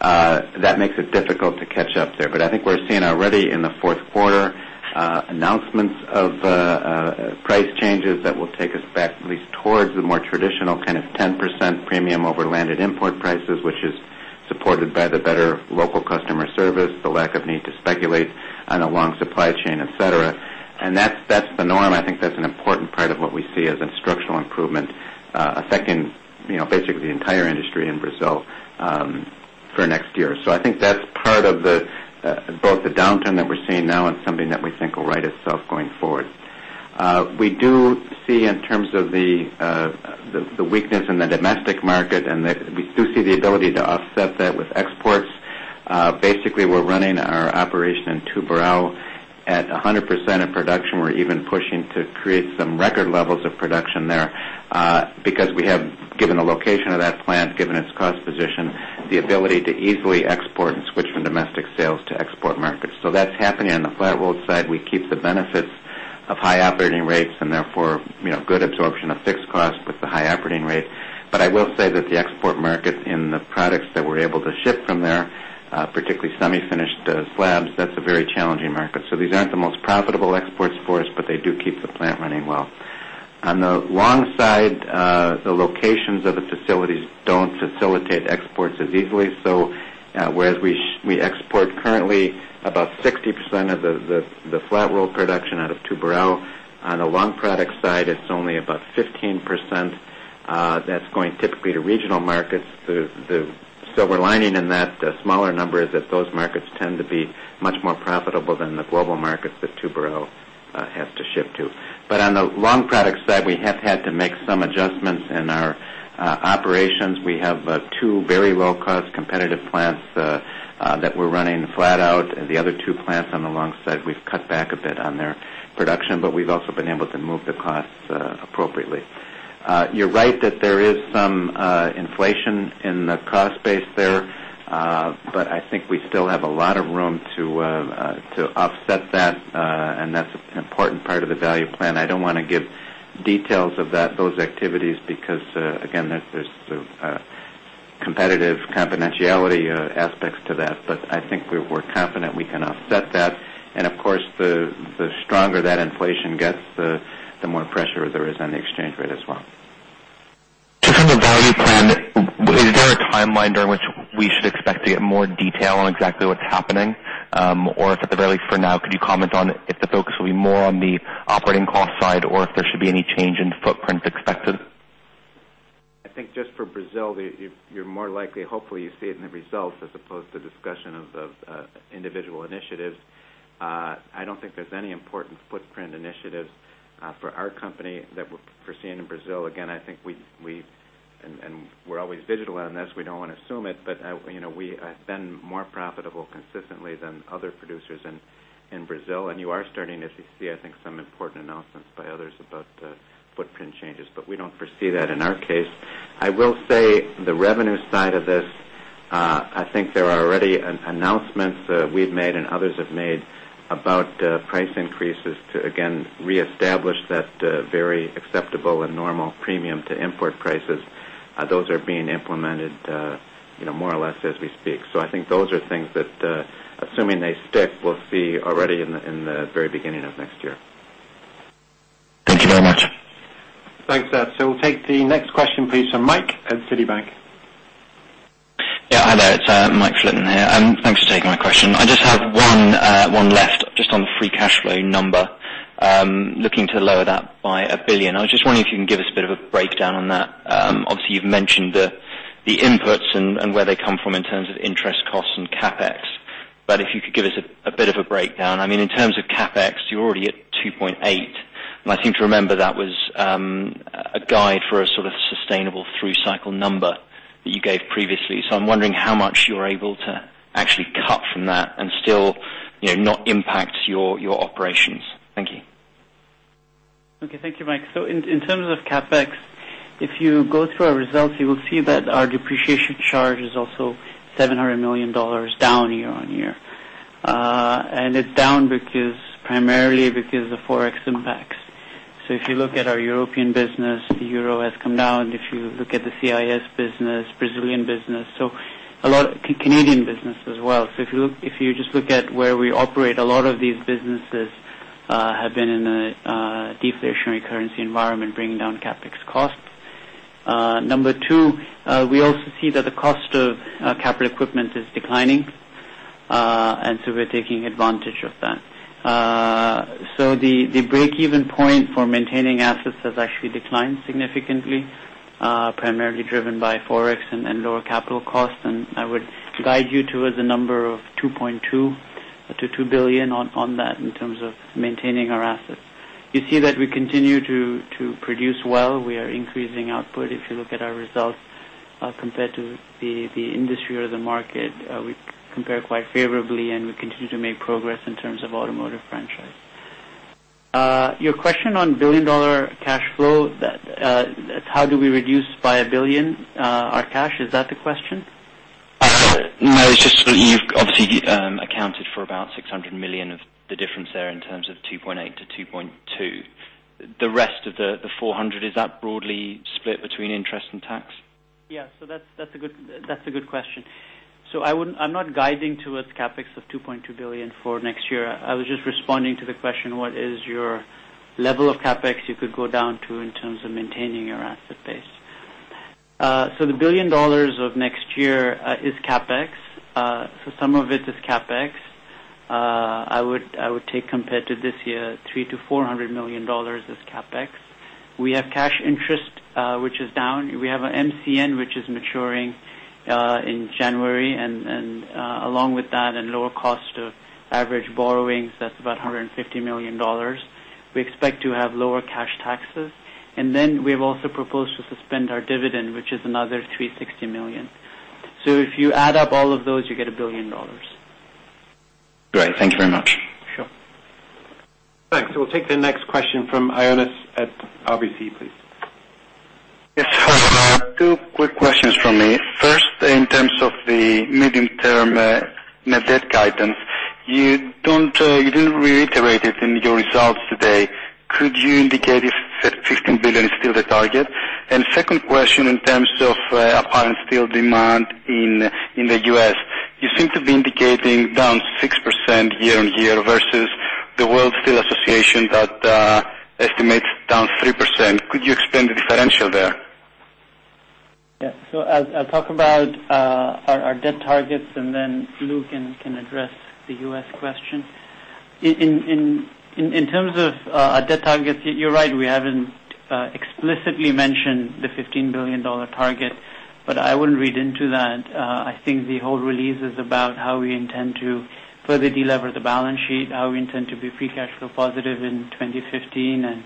that makes it difficult to catch up there. I think we're seeing already in the fourth quarter announcements of price changes that will take us back at least towards the more traditional kind of 10% premium over landed import prices, which is supported by the better local customer service, the lack of need to speculate on a long supply chain, etc. That's the norm. I think that's an important part of what we see as a structural improvement affecting basically the entire industry in Brazil for next year. I think that's part of both the downturn that we're seeing now and something that we think will right itself going forward. We do see in terms of the weakness in the domestic market, and we do see the ability to offset that with exports. Basically, we're running our operation in Tubarão at 100% of production. We're even pushing to create some record levels of production there, because we have, given the location of that plant, given its cost position, the ability to easily export and switch from domestic sales to export markets. That's happening on the flat roll side. We keep the benefits Of high operating rates, and therefore, good absorption of fixed costs with the high operating rate. I will say that the export market in the products that we're able to ship from there, particularly semi-finished slabs, that's a very challenging market. These aren't the most profitable exports for us, but they do keep the plant running well. On the long side, the locations of the facilities don't facilitate exports as easily. Whereas we export currently about 60% of the flat roll production out of Tubarão. On the long product side, it's only about 15% that's going typically to regional markets. The silver lining in that smaller number is that those markets tend to be much more profitable than the global markets that Tubarão have to ship to. On the long product side, we have had to make some adjustments in our operations. We have two very low-cost competitive plants that we're running flat out. The other two plants on the long side, we've cut back a bit on their production, but we've also been able to move the costs appropriately. You're right that there is some inflation in the cost base there. I think we still have a lot of room to offset that, and that's an important part of the value plan. I don't want to give details of those activities because, again, there's competitive confidentiality aspects to that. I think we're confident we can offset that. Of course, the stronger that inflation gets, the more pressure there is on the exchange rate as well. Just on the value plan, is there a timeline during which we should expect to get more detail on exactly what's happening? Or if at the very least for now, could you comment on if the focus will be more on the operating cost side or if there should be any change in footprint expected? I think just for Brazil, you're more likely, hopefully, you see it in the results as opposed to discussion of individual initiatives. I don't think there's any important footprint initiatives for our company that we're foreseeing in Brazil. Again, I think we're always vigilant on this. We don't want to assume it, but we have been more profitable consistently than other producers in Brazil. You are starting to see, I think, some important announcements by others about footprint changes, but we don't foresee that in our case. I will say the revenue side of this, I think there are already announcements we've made and others have made about price increases to, again, reestablish that very acceptable and normal premium to import prices. Those are being implemented more or less as we speak. I think those are things that, assuming they stick, we'll see already in the very beginning of next year. Thank you very much. Thanks, Seth. We'll take the next question, please, from Mike at Citigroup. Hi there. It's Mike Flitton here. Thanks for taking my question. I just have one left, just on the free cash flow number. Looking to lower that by $1 billion. I was just wondering if you can give us a bit of a breakdown on that. Obviously, you've mentioned the inputs and where they come from in terms of interest costs and CapEx. If you could give us a bit of a breakdown. In terms of CapEx, you're already at $2.8 billion. I seem to remember that was a guide for a sort of sustainable through cycle number that you gave previously. I'm wondering how much you're able to actually cut from that and still not impact your operations. Thank you. Thank you, Mike. In terms of CapEx, if you go through our results, you will see that our depreciation charge is also $700 million down year-on-year. It's down primarily because of Forex impacts. If you look at our European business, the Euro has come down. If you look at the CIS business, Brazilian business, Canadian business as well. If you just look at where we operate, a lot of these businesses have been in a deflationary currency environment, bringing down CapEx costs. Number two, we also see that the cost of capital equipment is declining, and we're taking advantage of that. The break-even point for maintaining assets has actually declined significantly, primarily driven by Forex and lower capital costs. I would guide you towards a number of $2.2 billion-$2 billion on that in terms of maintaining our assets. You see that we continue to produce well. We are increasing output. If you look at our results compared to the industry or the market, we compare quite favorably, and we continue to make progress in terms of automotive franchise. Your question on billion-dollar cash flow, how do we reduce by $1 billion our cash? Is that the question? No, it's just you've obviously accounted for about $600 million of the difference there in terms of $2.8-$2.2. The rest of the $400 million, is that broadly split between interest and tax? That's a good question. I'm not guiding towards CapEx of $2.2 billion for next year. I was just responding to the question, what is your level of CapEx you could go down to in terms of maintaining your asset base? The $1 billion of next year is CapEx. Some of it is CapEx. I would take compared to this year, $300 million-$400 million is CapEx. We have cash interest, which is down. We have an MCN, which is maturing in January, and along with that and lower cost of average borrowings, that's about $150 million. We expect to have lower cash taxes. Then we have also proposed to suspend our dividend, which is another $360 million. If you add up all of those, you get $1 billion. Great. Thank you very much. Sure. Thanks. We'll take the next question from Ioannis at RBC, please. Two quick questions from me. First, in terms of the medium-term net debt guidance, you didn't reiterate it in your results today. Could you indicate if $15 billion is still the target? Second question, in terms of apparent steel demand in the U.S., you seem to be indicating down 6% year-on-year versus the World Steel Association that estimates down 3%. Could you explain the differential there? I'll talk about our debt targets, then Lou can address the U.S. question. In terms of our debt targets, you're right, we haven't explicitly mentioned the $15 billion target, but I wouldn't read into that. I think the whole release is about how we intend to further de-lever the balance sheet, how we intend to be free cash flow positive in 2015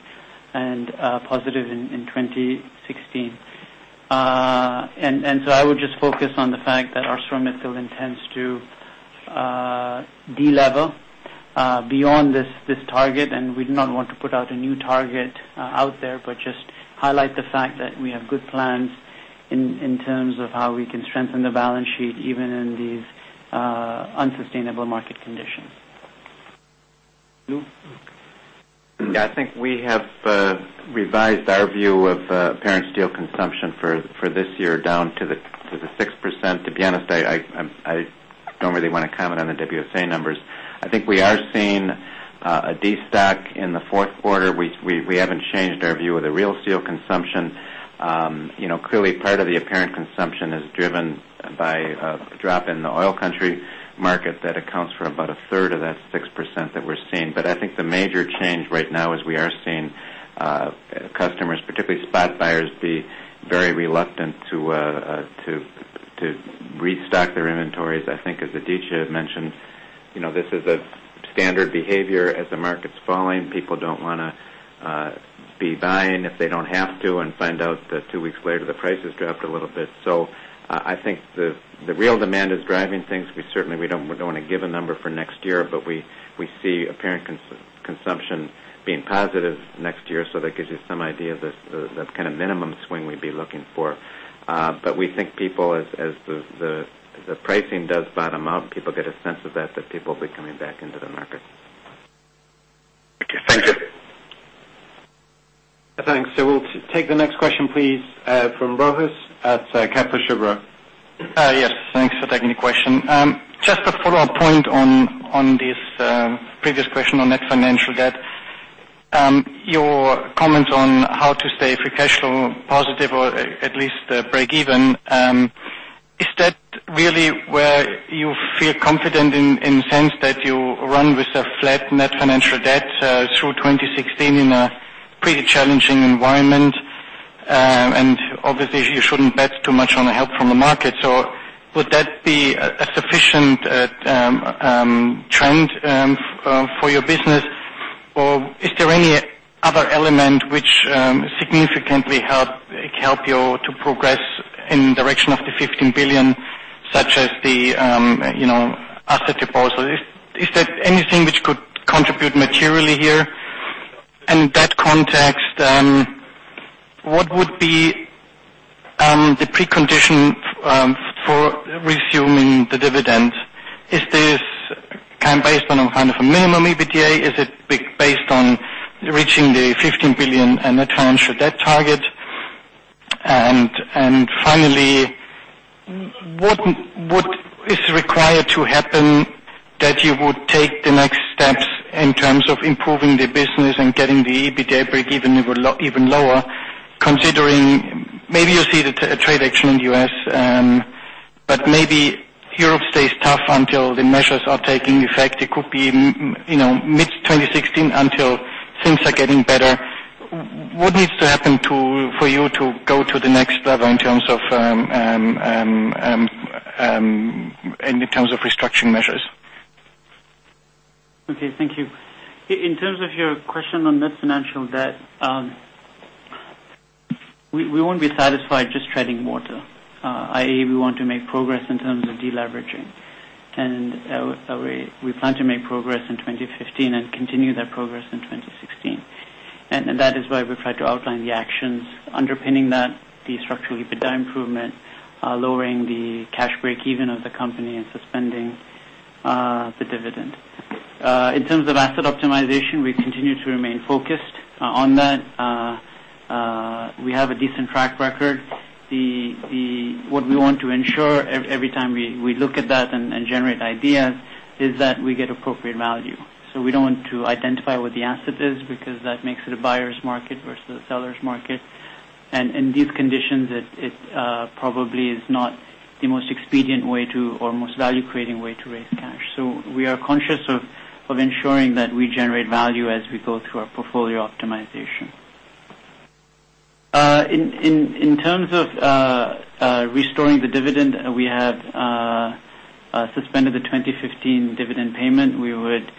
and positive in 2016. I would just focus on the fact that ArcelorMittal intends to de-lever beyond this target, we do not want to put out a new target out there, but just highlight the fact that we have good plans in terms of how we can strengthen the balance sheet even in these unsustainable market conditions. Lou? I think we have revised our view of apparent steel consumption for this year down to the 6%. To be honest, I don't really want to comment on the WSA numbers. I think we are seeing a destock in the fourth quarter. We haven't changed our view of the real steel consumption. Clearly part of the apparent consumption is driven by a drop in the oil country market that accounts for about a third of that 6% that we're seeing. I think the major change right now is we are seeing customers, particularly spot buyers, be very reluctant to restock their inventories. I think as Aditya mentioned, this is a standard behavior. As the market's falling, people don't want to be buying if they don't have to and find out that two weeks later, the price has dropped a little bit. I think the real demand is driving things. We certainly don't want to give a number for next year, we see apparent consumption being positive next year, so that gives you some idea of the kind of minimum swing we'd be looking for. We think as the pricing does bottom out, and people get a sense of that people will be coming back into the market. Okay, thank you. Thanks. We'll take the next question, please, from Rohit at Capital Sugar. Yes, thanks for taking the question. Just to follow up point on this previous question on net financial debt. Your comments on how to stay free cash flow positive or at least break even, is that really where you feel confident in the sense that you run with a flat net financial debt through 2016 in a pretty challenging environment? Obviously you shouldn't bet too much on the help from the market. Would that be a sufficient trend for your business or is there any other element which significantly help you to progress in direction of the $15 billion, such as the asset deposit? Is there anything which could contribute materially here? In that context, what would be the precondition for resuming the dividend? Is this based on a kind of a minimum EBITDA? Is it based on reaching the $15 billion in net financial debt target? Finally, what is required to happen that you would take the next steps in terms of improving the business and getting the EBITDA break even lower considering, maybe you see the trade action in the U.S., but maybe Europe stays tough until the measures are taking effect. It could be mid-2016 until things are getting better. What needs to happen for you to go to the next level in terms of restructuring measures? Okay, thank you. In terms of your question on net financial debt, we won't be satisfied just treading water, i.e., we want to make progress in terms of de-leveraging. We plan to make progress in 2015 and continue that progress in 2016. That is why we've tried to outline the actions underpinning that, the structural EBITDA improvement, lowering the cash break even of the company, and suspending the dividend. In terms of asset optimization, we continue to remain focused on that. We have a decent track record. What we want to ensure every time we look at that and generate ideas, is that we get appropriate value. We don't want to identify what the asset is because that makes it a buyer's market versus a seller's market. In these conditions, it probably is not the most expedient way to or most value-creating way to raise cash. We are conscious of ensuring that we generate value as we go through our portfolio optimization. In terms of restoring the dividend, we have suspended the 2015 dividend payment. We would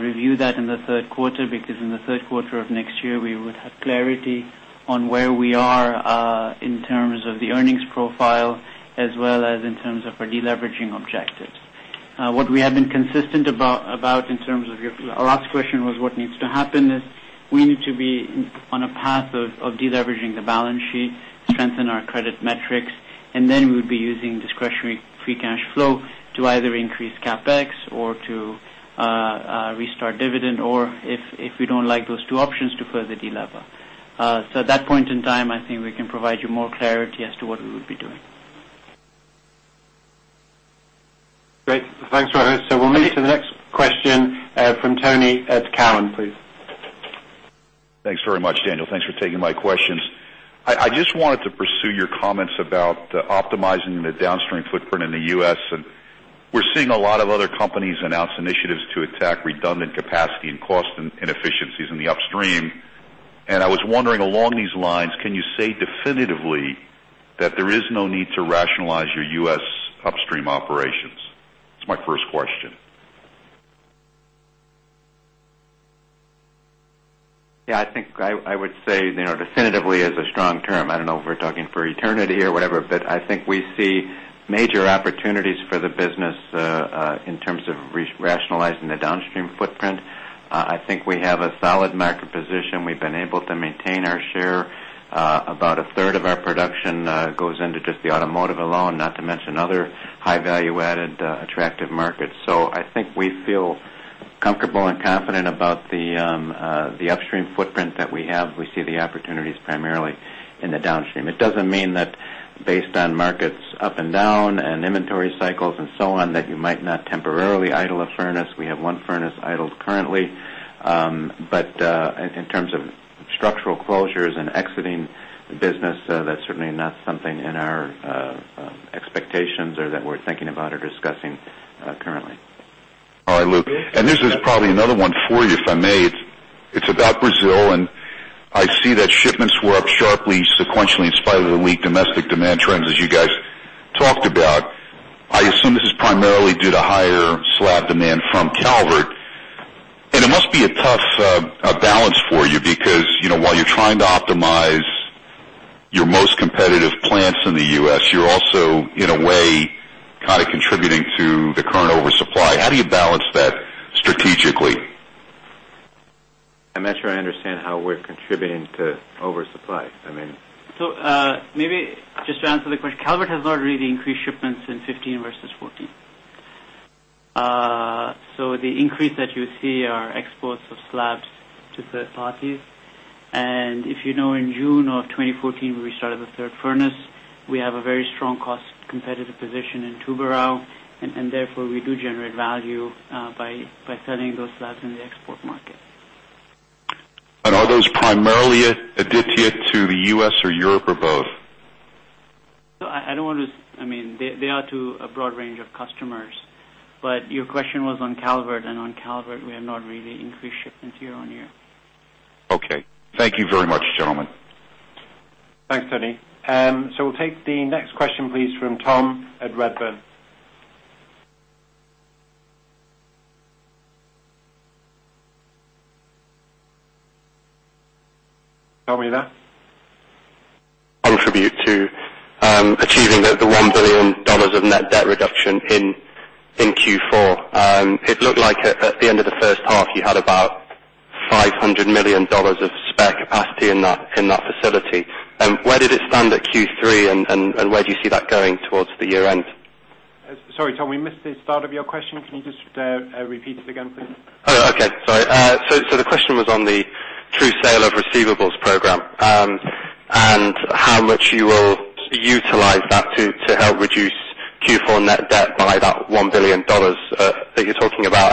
review that in the third quarter because in the third quarter of next year, we would have clarity on where we are in terms of the earnings profile as well as in terms of our de-leveraging objectives. What we have been consistent about in terms of your last question was what needs to happen is we need to be on a path of deleveraging the balance sheet, strengthen our credit metrics, then we would be using discretionary free cash flow to either increase CapEx or to restart dividend, if we don't like those two options, to further de-lever. At that point in time, I think we can provide you more clarity as to what we would be doing. Great. Thanks, Rohit. We'll move to the next question from Tony at Cowen, please. Thanks very much, Daniel. Thanks for taking my questions. I just wanted to pursue your comments about optimizing the downstream footprint in the U.S. We're seeing a lot of other companies announce initiatives to attack redundant capacity and cost inefficiencies in the upstream, and I was wondering along these lines, can you say definitively that there is no need to rationalize your U.S. upstream operations? That's my first question. Yeah, I think I would say definitively is a strong term. I don't know if we're talking for eternity or whatever, but I think we see major opportunities for the business in terms of rationalizing the downstream footprint. I think we have a solid market position. We've been able to maintain our share. About a third of our production goes into just the automotive alone, not to mention other high value-added attractive markets. I think we feel comfortable and confident about the upstream footprint that we have. We see the opportunities primarily in the downstream. It doesn't mean that based on markets up and down and inventory cycles and so on, that you might not temporarily idle a furnace. We have one furnace idled currently. In terms of structural closures and exiting the business, that's certainly not something in our expectations or that we're thinking about or discussing currently. All right, Lou, this is probably another one for you, if I may. It's about Brazil. I see that shipments were up sharply sequentially in spite of the weak domestic demand trends, as you guys talked about. I assume this is primarily due to higher slab demand from Calvert. It must be a tough balance for you because, while you're trying to optimize your most competitive plants in the U.S., you're also, in a way, contributing to the current oversupply. How do you balance that strategically? I'm not sure I understand how we're contributing to oversupply. Maybe just to answer the question, Calvert has not really increased shipments in 2015 versus 2014. The increase that you see are exports of slabs to third parties. If you know, in June of 2014, we restarted the third furnace. We have a very strong cost-competitive position in Tubarão, therefore we do generate value by selling those slabs in the export market. Are those primarily additive to the U.S. or Europe or both? They are to a broad range of customers, but your question was on Calvert, and on Calvert, we have not really increased shipments year-on-year. Okay. Thank you very much, gentlemen. Thanks, Tony. We'll take the next question, please, from Tom at Redburn. Are we there? Contribute to achieving the $1 billion of net debt reduction in Q4. It looked like at the end of the first half, you had about $500 million of spare capacity in that facility. Where did it stand at Q3 and where do you see that going towards the year-end? Sorry, Tom, we missed the start of your question. Can you just repeat it again, please? Okay. Sorry. The question was on the True Sale of Receivables Program and how much you will utilize that to help reduce Q4 net debt by that $1 billion that you're talking about.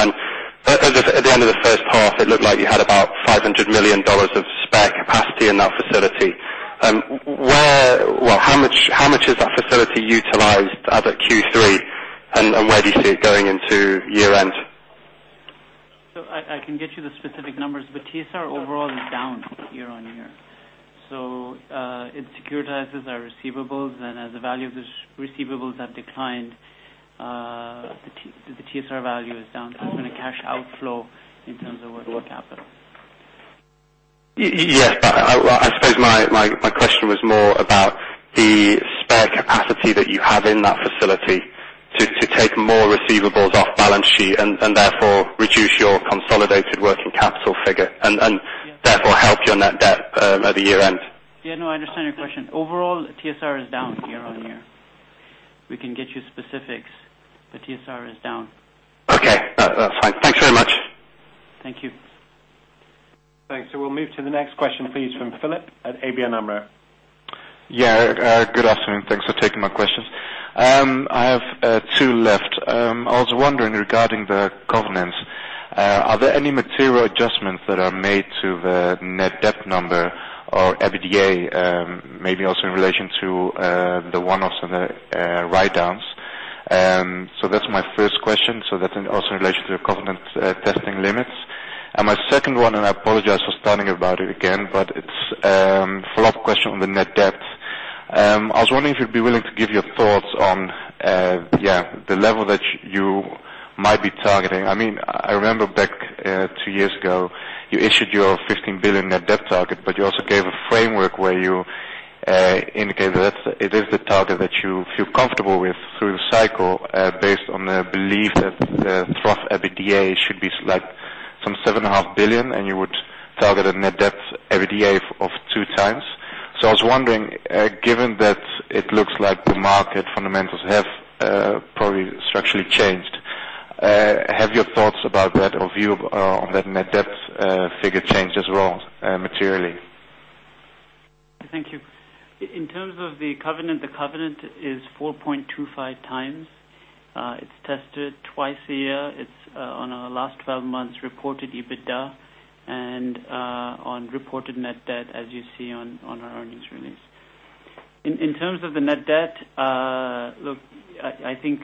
At the end of the first half, it looked like you had about $500 million of spare capacity in that facility. How much is that facility utilized as at Q3, and where do you see it going into year-end? I can get you the specific numbers, TSR overall is down year-on-year. It securitizes our receivables and as the value of those receivables have declined, the TSR value is down. It's been a cash outflow in terms of working capital. Yes, I suppose my question was more about the spare capacity that you have in that facility to take more receivables off balance sheet and therefore reduce your consolidated working capital figure and therefore help your net debt at the year-end. Yeah. No, I understand your question. Overall, TSR is down year-over-year. We can get you specifics, but TSR is down. Okay. That's fine. Thanks very much. Thank you. Thanks. We'll move to the next question, please, from Philip at ABN AMRO. Good afternoon. Thanks for taking my questions. I have 2 left. I was wondering regarding the covenants, are there any material adjustments that are made to the net debt number or EBITDA, maybe also in relation to the one-offs and the write-downs? That's my first question. That's also in relation to the covenant testing limits. My second one, I apologize for starting about it again, but it's a follow-up question on the net debt. I was wondering if you'd be willing to give your thoughts on the level that you might be targeting. I remember back 2 years ago, you issued your $15 billion net debt target, but you also gave a framework where you Indicated that it is the target that you feel comfortable with through the cycle, based on the belief that the trough EBITDA should be some $7.5 billion, and you would target a net debt EBITDA of 2 times. I was wondering, given that it looks like the market fundamentals have probably structurally changed, have your thoughts about that or view on that net debt figure changed as well, materially? Thank you. In terms of the covenant, the covenant is 4.25 times. It's tested twice a year. It's on our last 12 months reported EBITDA and on reported net debt, as you see on our earnings release. In terms of the net debt, look, I think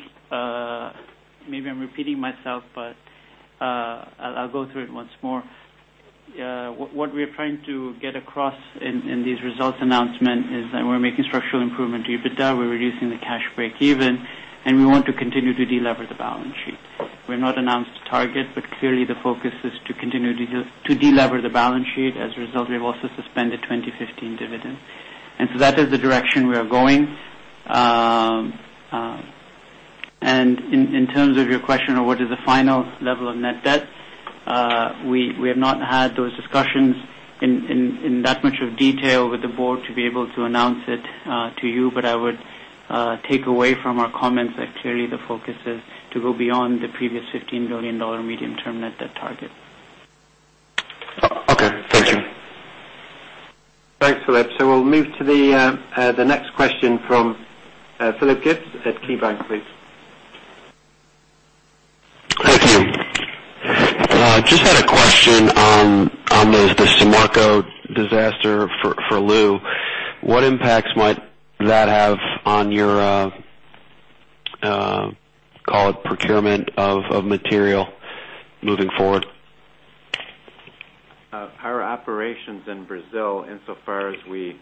maybe I'm repeating myself, but I'll go through it once more. What we're trying to get across in this results announcement is that we're making structural improvement to EBITDA, we're reducing the cash break even, and we want to continue to de-lever the balance sheet. We've not announced a target, but clearly the focus is to continue to de-lever the balance sheet. As a result, we have also suspended 2015 dividend. That is the direction we are going. In terms of your question on what is the final level of net debt, we have not had those discussions in that much of detail with the board to be able to announce it to you. I would take away from our comments that clearly the focus is to go beyond the previous $15 billion medium-term net debt target. Okay. Thank you. Thanks, Philip. We'll move to the next question from Philip at KeyBank, please. Thank you. Just had a question on the Samarco disaster for Lou. What impacts might that have on your, call it procurement of material moving forward? Our operations in Brazil, insofar as we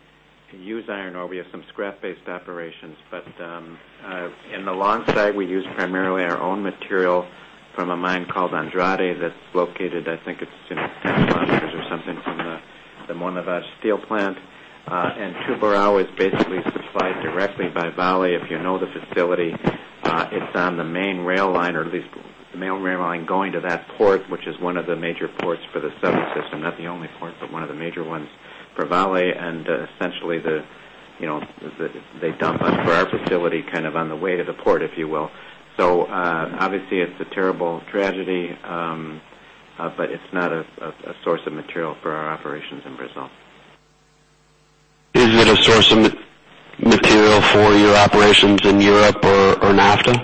use iron ore, we have some scrap-based operations. In the long side, we use primarily our own material from a mine called Andrade that's located, I think it's 10 km or something from the Monlevade steel plant. Tubarão is basically supplied directly by Vale. If you know the facility, it's on the main rail line, or at least the main rail line going to that port, which is one of the major ports for the sub-system. Not the only port, but one of the major ones for Vale. Essentially, they dump on for our facility on the way to the port, if you will. Obviously it's a terrible tragedy, but it's not a source of material for our operations in Brazil. Is it a source of material for your operations in Europe or NAFTA?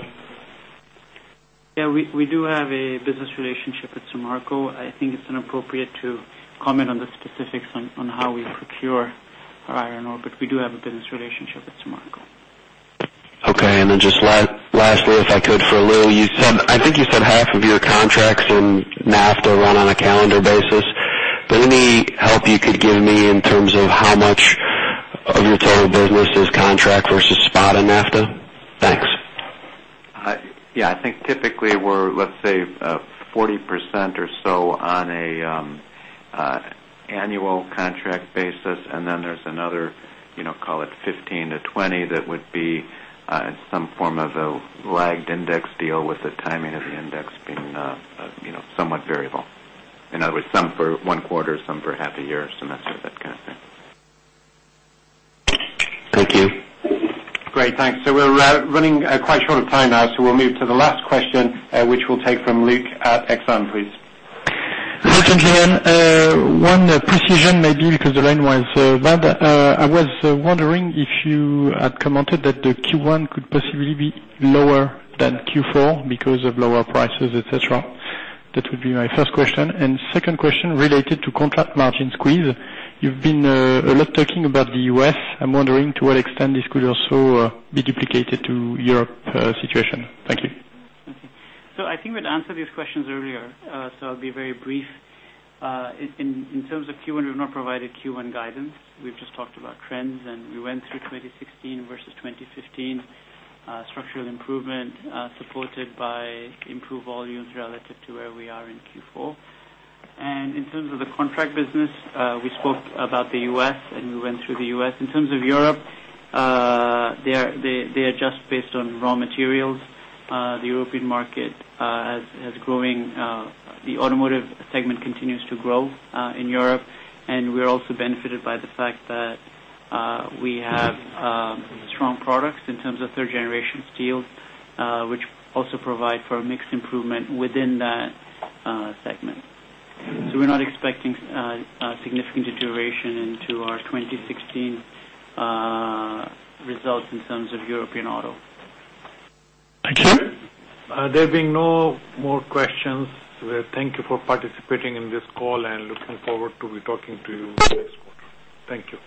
Yeah, we do have a business relationship with Samarco. I think it's inappropriate to comment on the specifics on how we procure our iron ore, but we do have a business relationship with Samarco. Okay. Just lastly, if I could, for Lou, I think you said half of your contracts in NAFTA run on a calendar basis. Any help you could give me in terms of how much of your total business is contract versus spot in NAFTA? Thanks. Yeah. I think typically we're, let's say, 40% or so on an annual contract basis, and then there's another, call it 15-20 that would be some form of a lagged index deal with the timing of the index being somewhat variable. In other words, some for one quarter, some for half a year or semester, that kind of thing. Thank you. Great. Thanks. We're running quite short of time now, so we'll move to the last question, which we'll take from Luc at Exane, please. Luc Pez. One precision maybe because the line was bad. I was wondering if you had commented that the Q1 could possibly be lower than Q4 because of lower prices, et cetera. That would be my first question. Second question related to contract margin squeeze. You've been a lot talking about the U.S. I'm wondering to what extent this could also be duplicated to Europe situation. Thank you. Okay. I think we'd answered these questions earlier, I'll be very brief. In terms of Q1, we've not provided Q1 guidance. We've just talked about trends, and we went through 2016 versus 2015 structural improvement, supported by improved volumes relative to where we are in Q4. In terms of the contract business, we spoke about the U.S. and we went through the U.S. In terms of Europe, they adjust based on raw materials. The European market is growing. The automotive segment continues to grow in Europe, and we're also benefited by the fact that we have strong products in terms of third-generation steel, which also provide for a mixed improvement within that segment. We're not expecting significant deterioration into our 2016 results in terms of European auto. Thank you. There being no more questions, thank you for participating in this call and looking forward to be talking to you next quarter. Thank you.